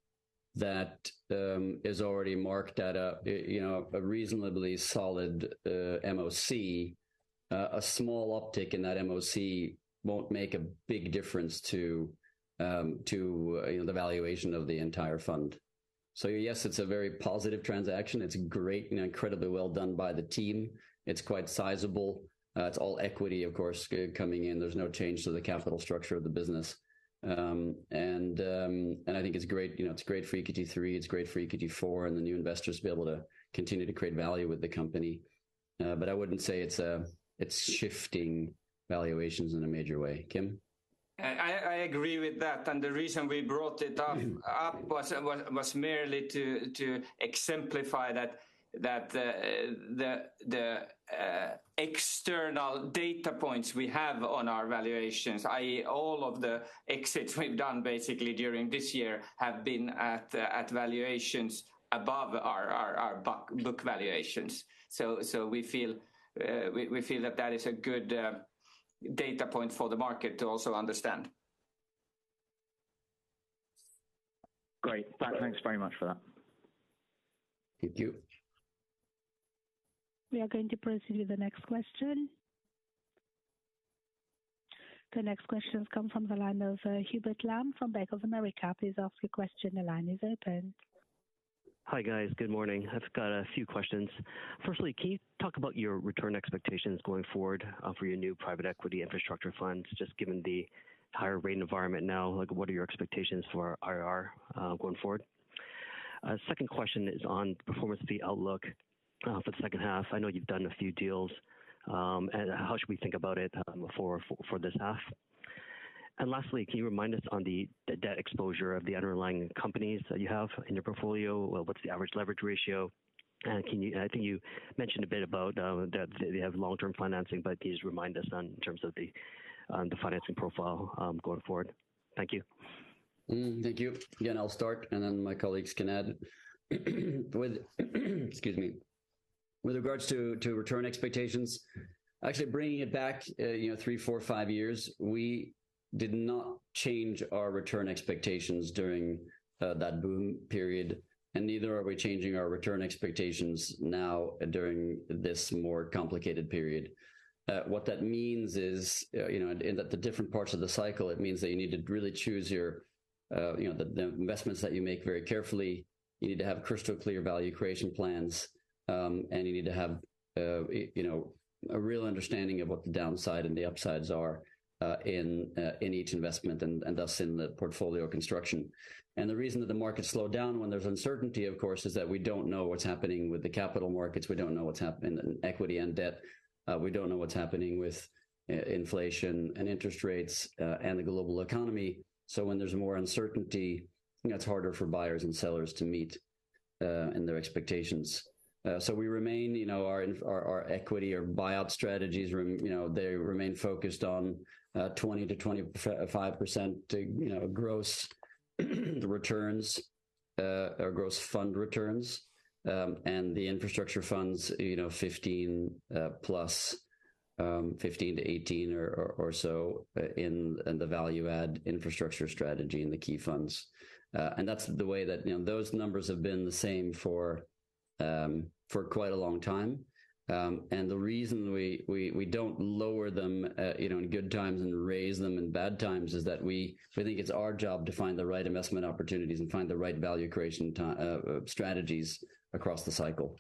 that is already marked at a, you know, a reasonably solid MOIC, a small uptick in that MOIC won't make a big difference to, you know, the valuation of the entire fund. Yes, it's a very positive transaction. It's great and incredibly well done by the team. It's quite sizable. It's all equity, of course, coming in. There's no change to the capital structure of the business. I think it's great. You know, it's great for EQT III, it's great for EQT IV, and the new investors to be able to continue to create value with the company. I wouldn't say it's shifting valuations in a major way. Kim? I agree with that. The reason we brought it up was merely to exemplify that the external data points we have on our valuations, i.e. all of the exits we've done basically during this year have been at valuations above our book valuations. We feel that that is a good data point for the market to also understand. Great. Thanks very much for that. Thank you. We are going to proceed to the next question. The next question comes from the line of Hubert Lam from Bank of America. Please ask your question. The line is open. Hi, guys. Good morning. I've got a few questions. Firstly, can you talk about your return expectations going forward for your new private equity infrastructure funds? Just given the higher rate environment now, like what are your expectations for IRR going forward? Second question is on performance fee outlook for the second half. I know you've done a few deals, and how should we think about it for this half? Lastly, can you remind us on the debt exposure of the underlying companies that you have in your portfolio? What's the average leverage ratio? I think you mentioned a bit about that they have long-term financing, but please remind us on terms of the financing profile going forward. Thank you. Thank you. Again, I'll start, and then my colleagues can add. With regards to return expectations, actually bringing it back, you know, 3, 4, 5 years, we did not change our return expectations during that boom period, and neither are we changing our return expectations now during this more complicated period. What that means is, you know, in the different parts of the cycle, it means that you need to really choose your, you know, the investments that you make very carefully. You need to have crystal clear value creation plans, and you need to have, you know, a real understanding of what the downside and the upsides are, in each investment and thus in the portfolio construction. The reason that the market slowed down when there's uncertainty, of course, is that we don't know what's happening with the capital markets. We don't know what's happening in equity and debt. We don't know what's happening with inflation and interest rates and the global economy. When there's more uncertainty, it's harder for buyers and sellers to meet in their expectations. We remain, you know, our equity, our buyout strategies, you know, they remain focused on 20%-25% gross returns or gross fund returns. The infrastructure funds, you know, 15+, 15%-18% or so in the value-add infrastructure strategy in the key funds. That's the way that. You know, those numbers have been the same for quite a long time. The reason we don't lower them in good times and raise them in bad times is that we think it's our job to find the right investment opportunities and find the right value creation strategies across the cycle.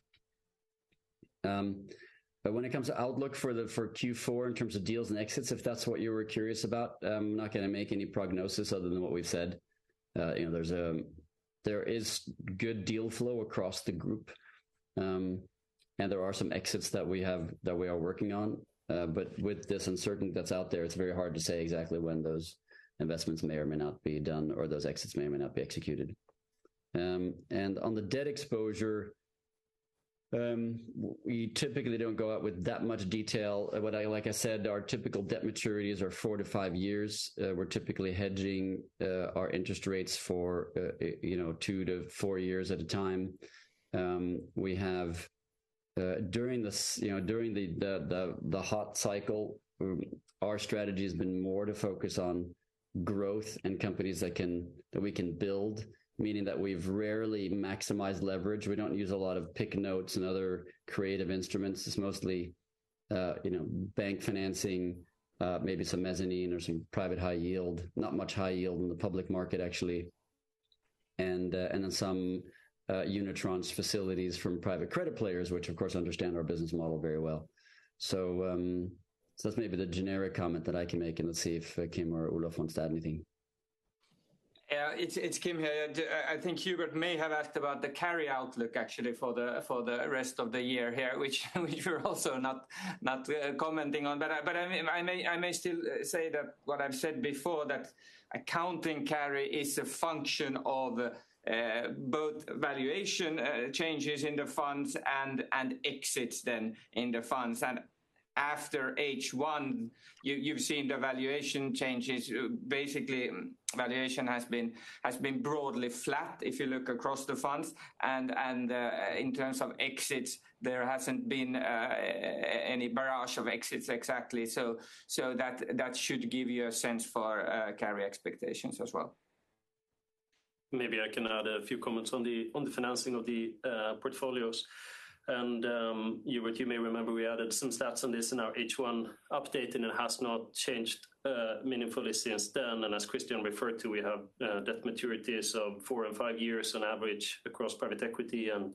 When it comes to outlook for Q4 in terms of deals and exits, if that's what you were curious about, I'm not gonna make any prognosis other than what we've said. You know, there is good deal flow across the group, and there are some exits that we are working on. With this uncertainty that's out there, it's very hard to say exactly when those investments may or may not be done or those exits may or may not be executed. On the debt exposure, we typically don't go out with that much detail. Like I said, our typical debt maturities are four to five years. We're typically hedging our interest rates for, you know, two to four years at a time. We have, you know, during the hot cycle, our strategy has been more to focus on growth and companies that can, that we can build, meaning that we've rarely maximized leverage. We don't use a lot of PIK notes and other creative instruments. It's mostly, you know, bank financing, maybe some mezzanine or some private high yield, not much high yield in the public market, actually. Some unitranche facilities from private credit players, which, of course, understand our business model very well. That's maybe the generic comment that I can make, and let's see if Kim or Olof wants to add anything. Yeah, it's Kim here. I think Hubert may have asked about the carry outlook actually for the rest of the year here, which we're also not commenting on. I mean, I may still say that what I've said before, that accounting carry is a function of both valuation changes in the funds and exits then in the funds. After H1, you've seen the valuation changes. Basically, valuation has been broadly flat if you look across the funds. In terms of exits, there hasn't been any barrage of exits exactly. That should give you a sense for carry expectations as well. Maybe I can add a few comments on the financing of the portfolios. Hubert, you may remember we added some stats on this in our H1 update, and it has not changed meaningfully since then. As Christian referred to, we have debt maturities of 4-5 years on average across private equity and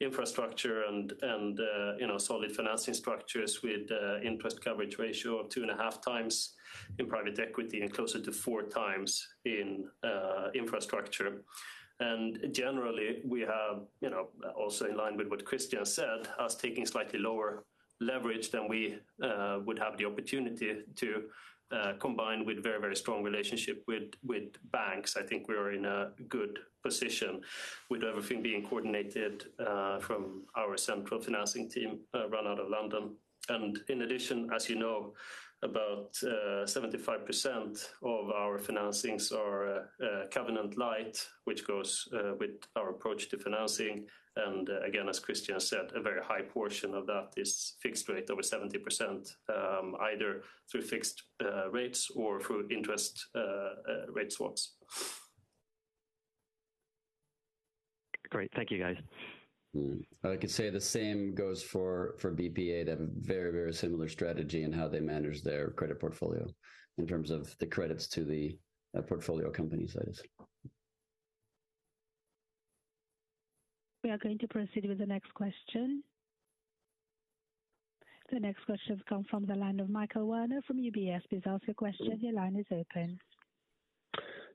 infrastructure, you know, solid financing structures with interest coverage ratio of 2.5 times in private equity and closer to 4 times in infrastructure. Generally, we have, you know, also in line with what Christian said, us taking slightly lower leverage than we would have the opportunity to combine with very, very strong relationship with banks. I think we are in a good position with everything being coordinated from our central financing team run out of London. In addition, as you know, about 75% of our financings are covenant light, which goes with our approach to financing. Again, as Christian said, a very high portion of that is fixed rate, over 70%, either through fixed rates or through interest rate swaps. Great. Thank you, guys. Mm. I could say the same goes for BPEA. They have a very, very similar strategy in how they manage their credit portfolio in terms of the credits to the portfolio companies, that is. We are going to proceed with the next question. The next question comes from the line of Michael Werner from UBS. Please ask your question. Your line is open. Thank you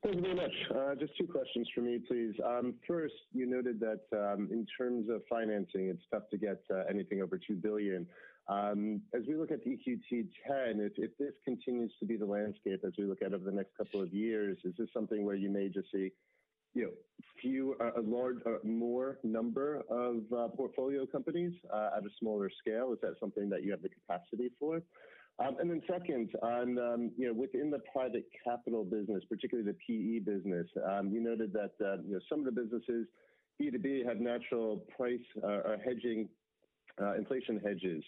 very much. Just two questions from me, please. First, you noted that, in terms of financing, it's tough to get anything over 2 billion. As we look at EQT X, if this continues to be the landscape as we look out over the next couple of years, is this something where you may just see, you know, fewer large, more number of portfolio companies at a smaller scale? Is that something that you have the capacity for? Second, on, you know, within the private capital business, particularly the PE business, you noted that, you know, some of the businesses, B2B, have natural pricing or hedging, inflation hedges.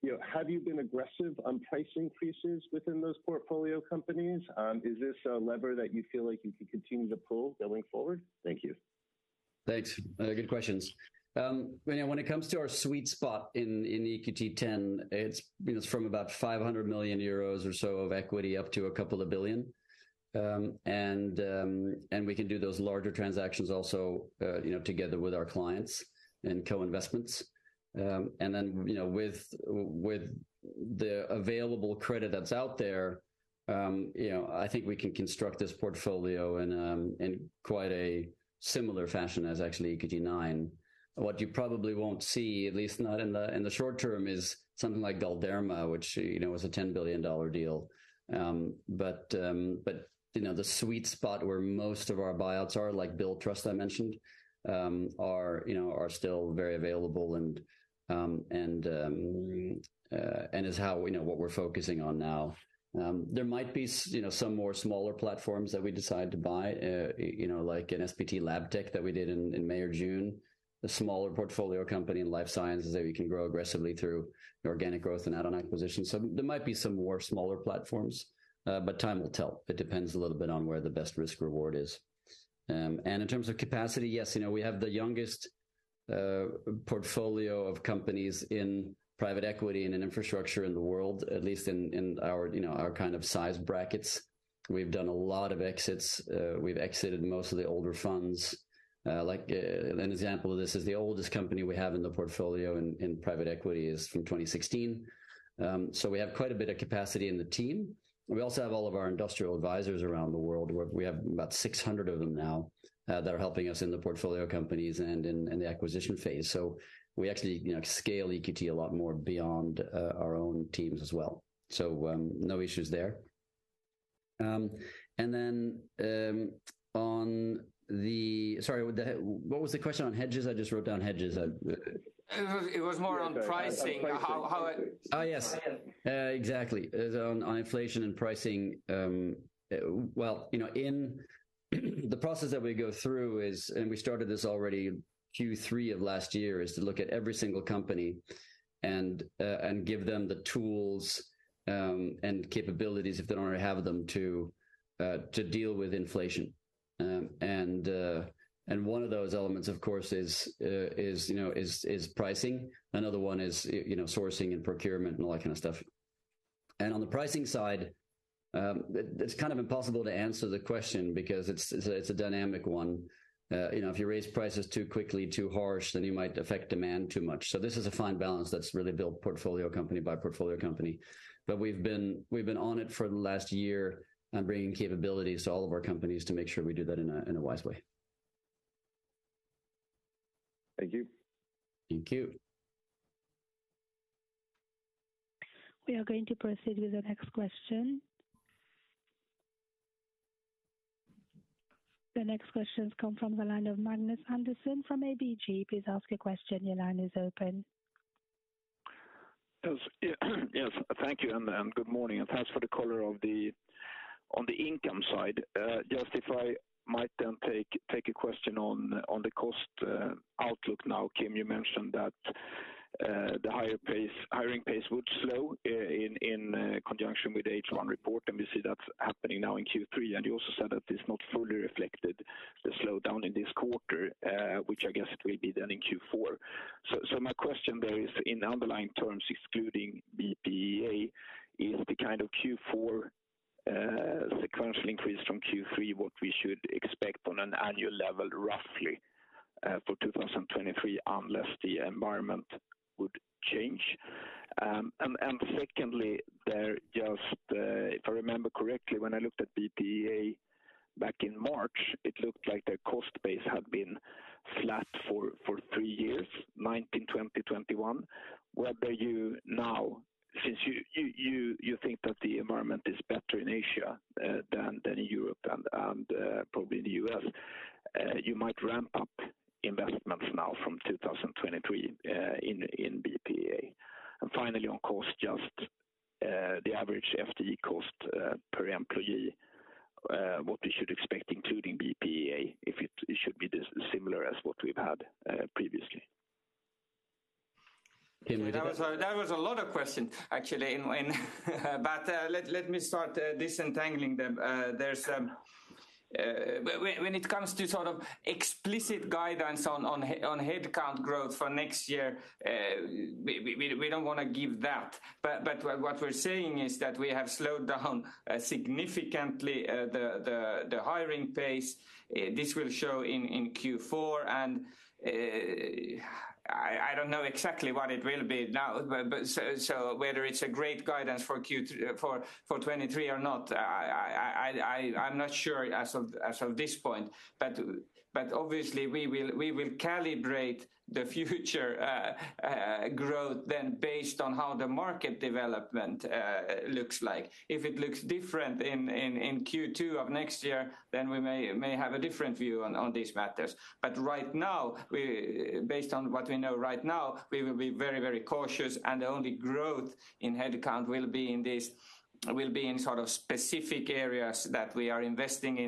You know, have you been aggressive on price increases within those portfolio companies? Is this a lever that you feel like you can continue to pull going forward? Thank you. Thanks. Good questions. When it comes to our sweet spot in EQT X, you know, it's from about 500 million euros or so of equity up to a couple of billion. We can do those larger transactions also, you know, together with our clients and co-investments. With the available credit that's out there, you know, I think we can construct this portfolio in quite a similar fashion as actually EQT IX. What you probably won't see, at least not in the short term, is something like Galderma, which, you know, was a $10 billion deal. you know, the sweet spot where most of our buyouts are, like Billtrust I mentioned, are still very available and that's how, you know, what we're focusing on now. There might be, you know, some more smaller platforms that we decide to buy, you know, like an SPT Labtech that we did in May or June. A smaller portfolio company in life sciences that we can grow aggressively through organic growth and add-on acquisitions. There might be some more smaller platforms, but time will tell. It depends a little bit on where the best risk-reward is. In terms of capacity, yes, you know, we have the youngest portfolio of companies in private equity and in infrastructure in the world, at least in our, you know, our kind of size brackets. We've done a lot of exits. We've exited most of the older funds. Like, an example of this is the oldest company we have in the portfolio in private equity is from 2016. We have quite a bit of capacity in the team. We also have all of our industrial advisors around the world. We have about 600 of them now, that are helping us in the portfolio companies and in the acquisition phase. We actually, you know, scale EQT a lot more beyond our own teams as well. No issues there. Sorry, what was the question on hedges? I just wrote down hedges. It was more on pricing. How Yes. Exactly. On inflation and pricing. Well, you know, in the process that we go through, and we started this already Q3 of last year, is to look at every single company and give them the tools and capabilities if they don't already have them to deal with inflation. One of those elements, of course, is pricing. Another one is, you know, sourcing and procurement and all that kind of stuff. On the pricing side, it's kind of impossible to answer the question because it's a dynamic one. You know, if you raise prices too quickly, too harsh, then you might affect demand too much. This is a fine balance that's really built portfolio company by portfolio company. We've been on it for the last year on bringing capabilities to all of our companies to make sure we do that in a wise way. Thank you. Thank you. We are going to proceed with the next question. The next question come from the line of Magnus Andersson from ABG. Please ask your question. Your line is open. Yes. Thank you and good morning, and thanks for the color on the income side. Just if I might take a question on the cost outlook now. Kim, you mentioned that the higher hiring pace would slow in conjunction with the H1 report, and we see that's happening now in Q3. You also said that it's not fully reflected the slowdown in this quarter, which I guess it will be then in Q4. My question there is in underlying terms, excluding BPEA, is the kind of Q4 sequential increase from Q3 what we should expect on an annual level roughly for 2023 unless the environment would change? Second, if I remember correctly, when I looked at BPEA back in March, it looked like their cost base had been flat for three years, 2019, 2020, 2021. Since you think that the environment is better in Asia than in Europe and probably in the U.S., you might ramp up investments now from 2023 in BPEA. Finally, on cost just the average FTE cost per employee, what we should expect including BPEA, if it should be similar to what we've had previously. Kim, would you? That was a lot of questions actually in it, but let me start disentangling them. When it comes to sort of explicit guidance on headcount growth for next year, we don't wanna give that. What we're saying is that we have slowed down significantly the hiring pace. This will show in Q4 and I don't know exactly what it will be now, but so whether it's a great guidance for 2023 or not, I'm not sure as of this point. Obviously we will calibrate the future growth then based on how the market development looks like. If it looks different in Q2 of next year, then we may have a different view on these matters. But right now, based on what we know right now, we will be very cautious and the only growth in headcount will be in sort of specific areas that we are investing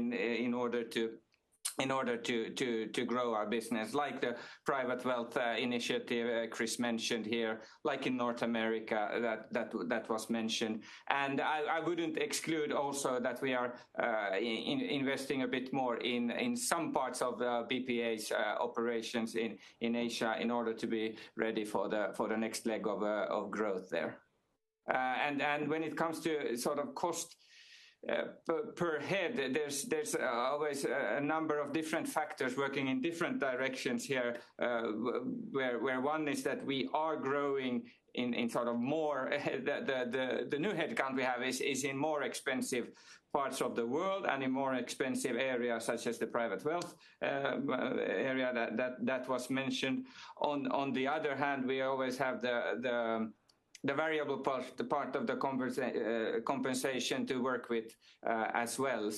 in order to grow our business, like the private wealth initiative Chris mentioned here, like in North America, that was mentioned. I wouldn't exclude also that we are investing a bit more in some parts of the BPEA operations in Asia in order to be ready for the next leg of growth there. When it comes to sort of cost per head, there's always a number of different factors working in different directions here, where one is that the new headcount we have is in more expensive parts of the world and in more expensive areas such as the private wealth area that was mentioned. On the other hand, we always have the variable part, the part of the compensation to work with, as well.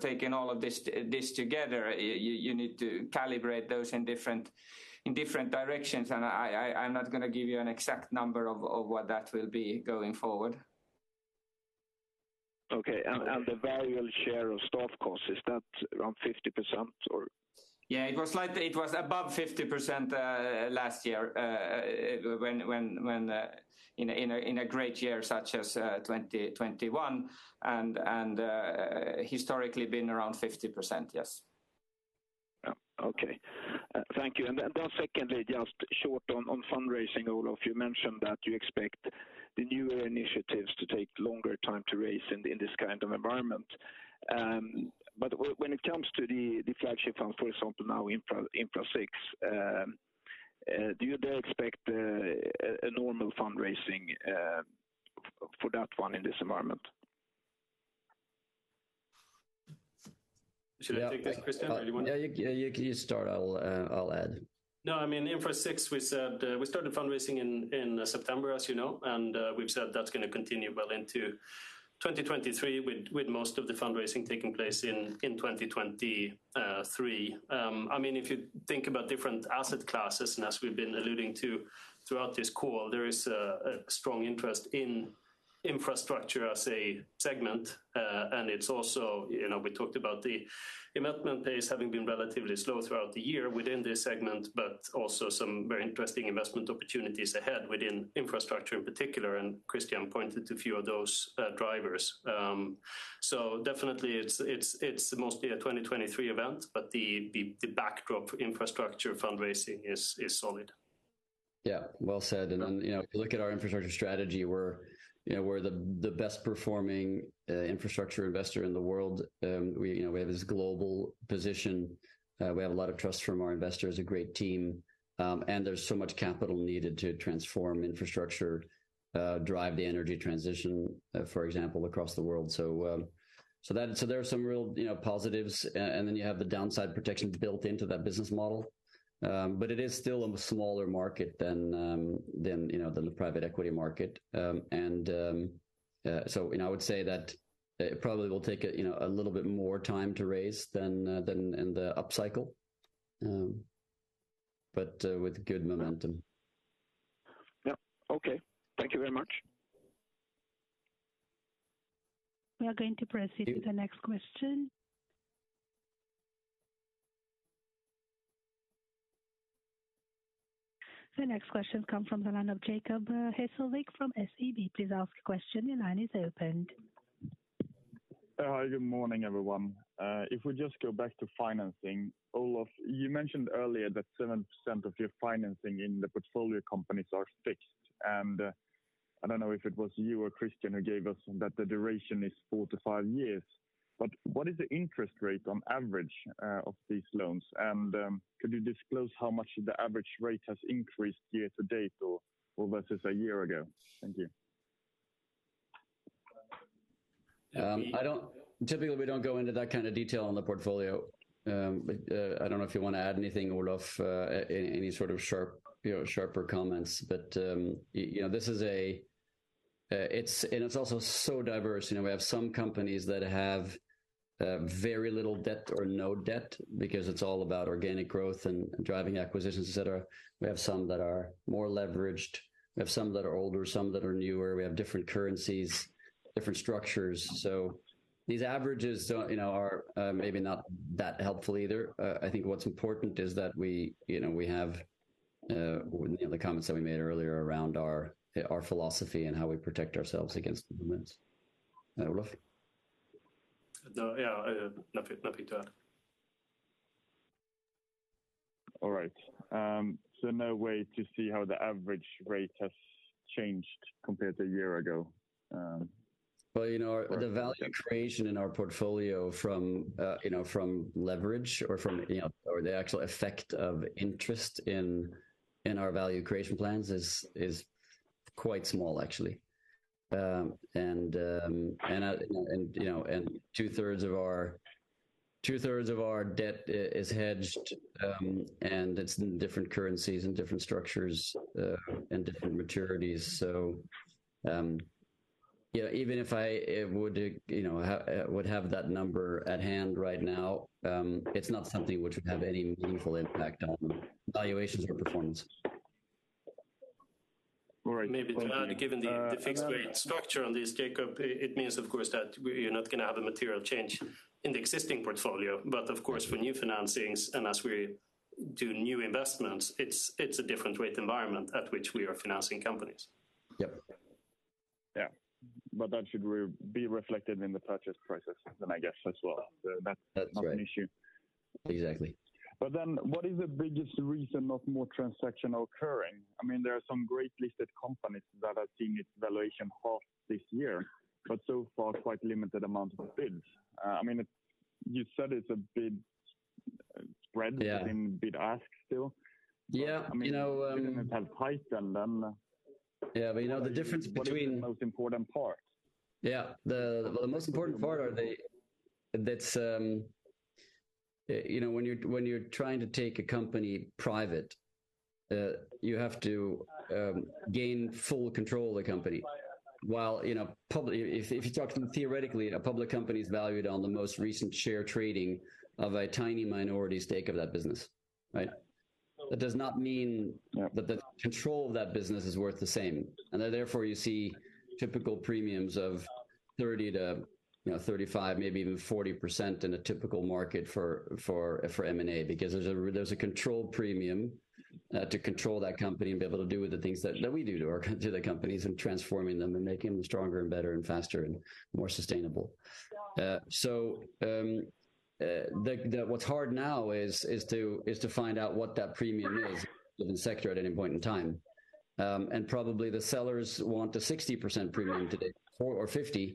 Taking all of this together, you need to calibrate those in different directions, and I'm not gonna give you an exact number of what that will be going forward. Okay. The variable share of staff cost, is that around 50% or? It was above 50% last year, when in a great year such as 2021, and historically been around 50%, yes. Yeah. Okay. Thank you. Secondly, just short on fundraising, Olof, you mentioned that you expect the newer initiatives to take longer time to raise in this kind of environment. But when it comes to the flagship fund, for example, now Infra VI, do you expect a normal fundraising for that one in this environment? Should I take this, Christian, or you want to? Yeah, you start. I'll add. No, I mean, Infra VI we said. We started fundraising in September, as you know, and we've said that's gonna continue well into 2023 with most of the fundraising taking place in 2023. I mean, if you think about different asset classes, and as we've been alluding to throughout this call, there is a strong interest in infrastructure as a segment. It's also, you know, we talked about the investment pace having been relatively slow throughout the year within this segment, but also some very interesting investment opportunities ahead within infrastructure in particular, and Christian pointed to a few of those drivers. Definitely it's mostly a 2023 event, but the backdrop infrastructure fundraising is solid. Yeah. Well said. You know, if you look at our infrastructure strategy, we're the best performing infrastructure investor in the world. You know, we have this global position. We have a lot of trust from our investors, a great team, and there's so much capital needed to transform infrastructure, drive the energy transition, for example, across the world. There are some real, you know, positives, and then you have the downside protection built into that business model. It is still a smaller market than, you know, the private equity market. You know, I would say that it probably will take a you know a little bit more time to raise than in the upcycle but with good momentum. Yeah. Okay. Thank you very much. We are going to proceed to the next question. The next question comes from the line of Jacob Heslevik from SEB. Please ask your question. Your line is open. Hi. Good morning, everyone. If we just go back to financing, Olof, you mentioned earlier that 7% of your financing in the portfolio companies are fixed, and I don't know if it was you or Christian who gave us that the duration is 4-5 years, but what is the interest rate on average of these loans? Could you disclose how much the average rate has increased year to date or versus a year ago? Thank you. Typically, we don't go into that kind of detail on the portfolio. I don't know if you wanna add anything, Olof, any sort of sharp, you know, sharper comments. You know, this is also so diverse. You know, we have some companies that have very little debt or no debt because it's all about organic growth and driving acquisitions, et cetera. We have some that are more leveraged. We have some that are older, some that are newer. We have different currencies, different structures. These averages, you know, are maybe not that helpful either. I think what's important is that we, you know, we have, you know, the comments that we made earlier around our philosophy and how we protect ourselves against movements. Olof? No. Yeah. Nothing to add. All right. No way to see how the average rate has changed compared to a year ago. Well, you know, the value creation in our portfolio from leverage or the actual effect of interest in our value creation plans is quite small actually. Two-thirds of our debt is hedged, and it's in different currencies and different structures, and different maturities. Even if I would have that number at hand right now, it's not something which would have any meaningful impact on valuations or performance. Maybe to add, given the fixed rate structure on this, Jacob, it means of course that we are not gonna have a material change in the existing portfolio. Of course, for new financings and as we do new investments, it's a different rate environment at which we are financing companies. Yep. Yeah. That should be reflected in the purchase process then I guess as well. That's right. Not an issue. Exactly. What is the biggest reason for more transactions occurring? I mean, there are some great listed companies that are seeing their valuations halved this year, but so far quite limited amount of bids. I mean, you said it's a bid spread. Yeah. Between bid-ask still. Yeah. You know, I mean, if you don't have height then. Yeah, you know, the difference between. What is the most important part? Yeah. The most important part is that you know, when you're trying to take a company private, you have to gain full control of the company. While you know, if you talk to them theoretically, a public company's valued on the most recent share trading of a tiny minority stake of that business, right? That does not mean. Yeah. that the control of that business is worth the same. Therefore, you see typical premiums of 30-35, maybe even 40% in a typical market for M&A. Because there's a control premium to control that company and be able to do the things that we do to the companies and transforming them and making them stronger and better and faster and more sustainable. What's hard now is to find out what that premium is within sector at any point in time. Probably the sellers want a 60% premium today or 50, and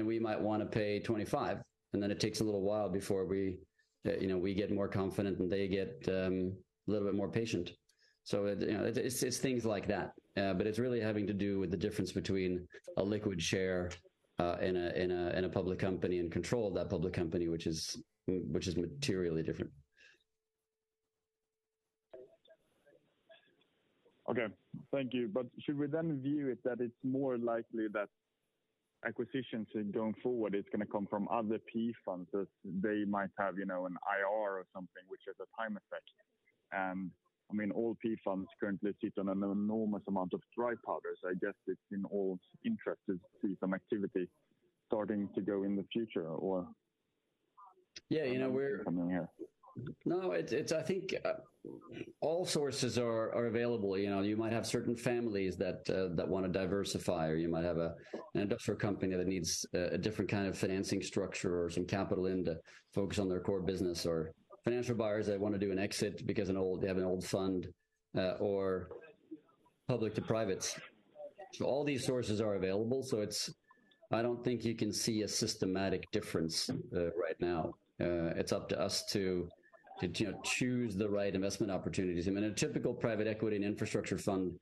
we might wanna pay 25. Then it takes a little while before we get more confident and they get a little bit more patient. It, you know, it's things like that. It's really having to do with the difference between a liquid share in a public company and control of that public company, which is materially different. Okay. Thank you. Should we then view it that it's more likely that acquisitions going forward, it's gonna come from other PE funds that they might have, you know, an IRR or something which has a time effect? I mean, all PE funds currently sit on an enormous amount of dry powder. I guess it's in all interests to see some activity starting to go in the future. Yeah. You know, it's, I think all sources are available. You know, you might have certain families that wanna diversify, or you might have an industrial company that needs a different kind of financing structure or some capital in to focus on their core business. Financial buyers that wanna do an exit because they have an old fund, or public to privates. All these sources are available, so it's. I don't think you can see a systematic difference right now. It's up to us to you know choose the right investment opportunities. I mean, a typical private equity and infrastructure fund,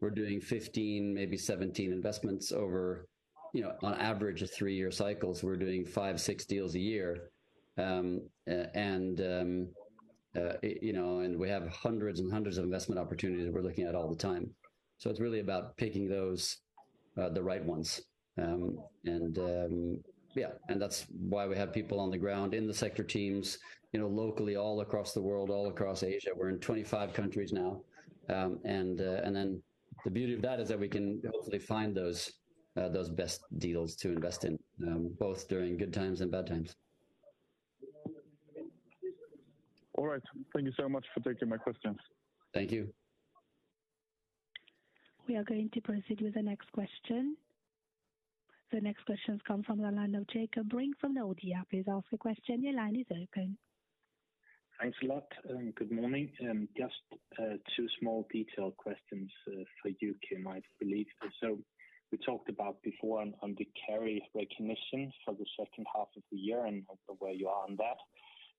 we're doing 15, maybe 17 investments over you know on average of 3-year cycles, we're doing 5, 6 deals a year. You know, we have hundreds and hundreds of investment opportunities that we're looking at all the time. It's really about picking those the right ones. That's why we have people on the ground in the sector teams, you know, locally, all across the world, all across Asia. We're in 25 countries now. The beauty of that is that we can hopefully find those best deals to invest in, both during good times and bad times. All right. Thank you so much for taking my questions. Thank you. We are going to proceed with the next question. The next question comes from the line of Jacob Ring from Nordea. Please ask your question. Your line is open. Thanks a lot, and good morning. Just two small detail questions for you, Kim, I believe. We talked about before on the carry recognition for the second half of the year and of where you are on that.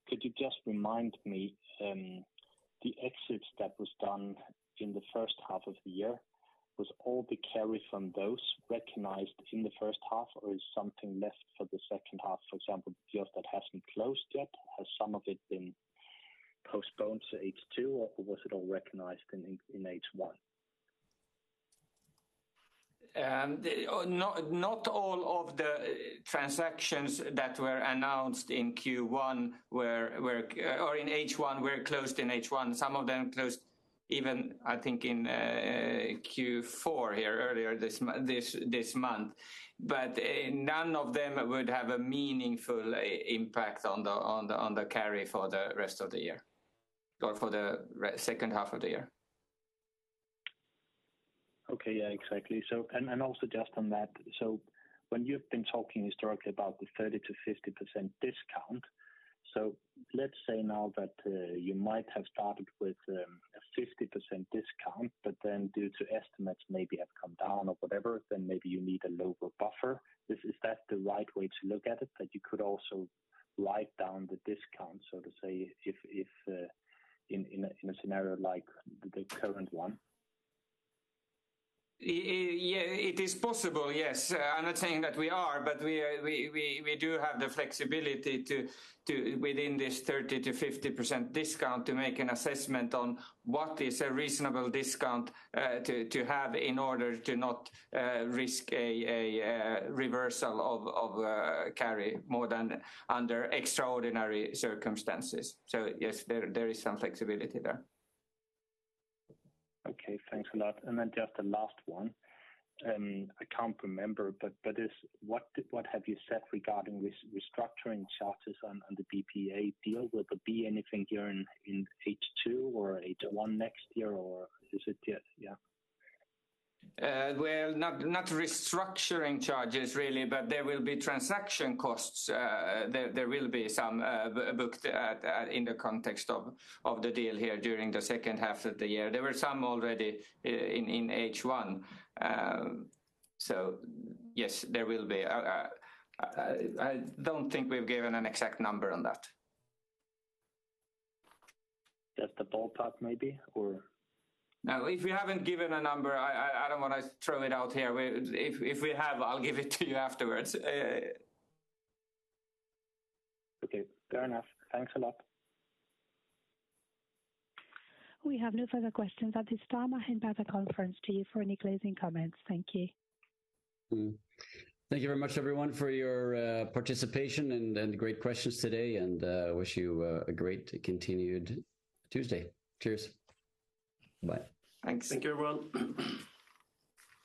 Could you just remind me the exits that was done in the first half of the year, was all the carry from those recognized in the first half, or is something left for the second half? For example, deals that hasn't closed yet, has some of it been postponed to H2, or was it all recognized in H1? Not all of the transactions that were announced in Q1 or in H1 were closed in H1. Some of them closed even, I think, in Q4 here earlier this month. None of them would have a meaningful impact on the carry for the rest of the year or for the second half of the year. Okay. Yeah, exactly. And also just on that, when you've been talking historically about the 30%-50% discount, let's say now that you might have started with a 50% discount, but then due to estimates maybe have come down or whatever, then maybe you need a lower buffer. Is that the right way to look at it? That you could also write down the discount, so to say, if in a scenario like the current one? Yeah, it is possible, yes. I'm not saying that we are, but we do have the flexibility to, within this 30%-50% discount, to make an assessment on what is a reasonable discount, to have in order to not risk a reversal of carry more than under extraordinary circumstances. Yes, there is some flexibility there. Okay. Thanks a lot. Then just a last one. I can't remember, but what have you said regarding restructuring charges on the BPEA deal? Will there be anything here in H2 or H1 next year, or is it yeah? Well, not restructuring charges really, but there will be transaction costs. There will be some booked in the context of the deal here during the second half of the year. There were some already in H1. Yes, there will be. I don't think we've given an exact number on that. Just a ballpark, maybe? Or? No, if we haven't given a number, I don't wanna throw it out here. If we have, I'll give it to you afterwards. Okay. Fair enough. Thanks a lot. We have no further questions at this time. I hand back the conference to you for any closing comments. Thank you. Thank you very much everyone for your participation and great questions today, and wish you a great continued Tuesday. Cheers. Bye. Thanks. Thank you, everyone.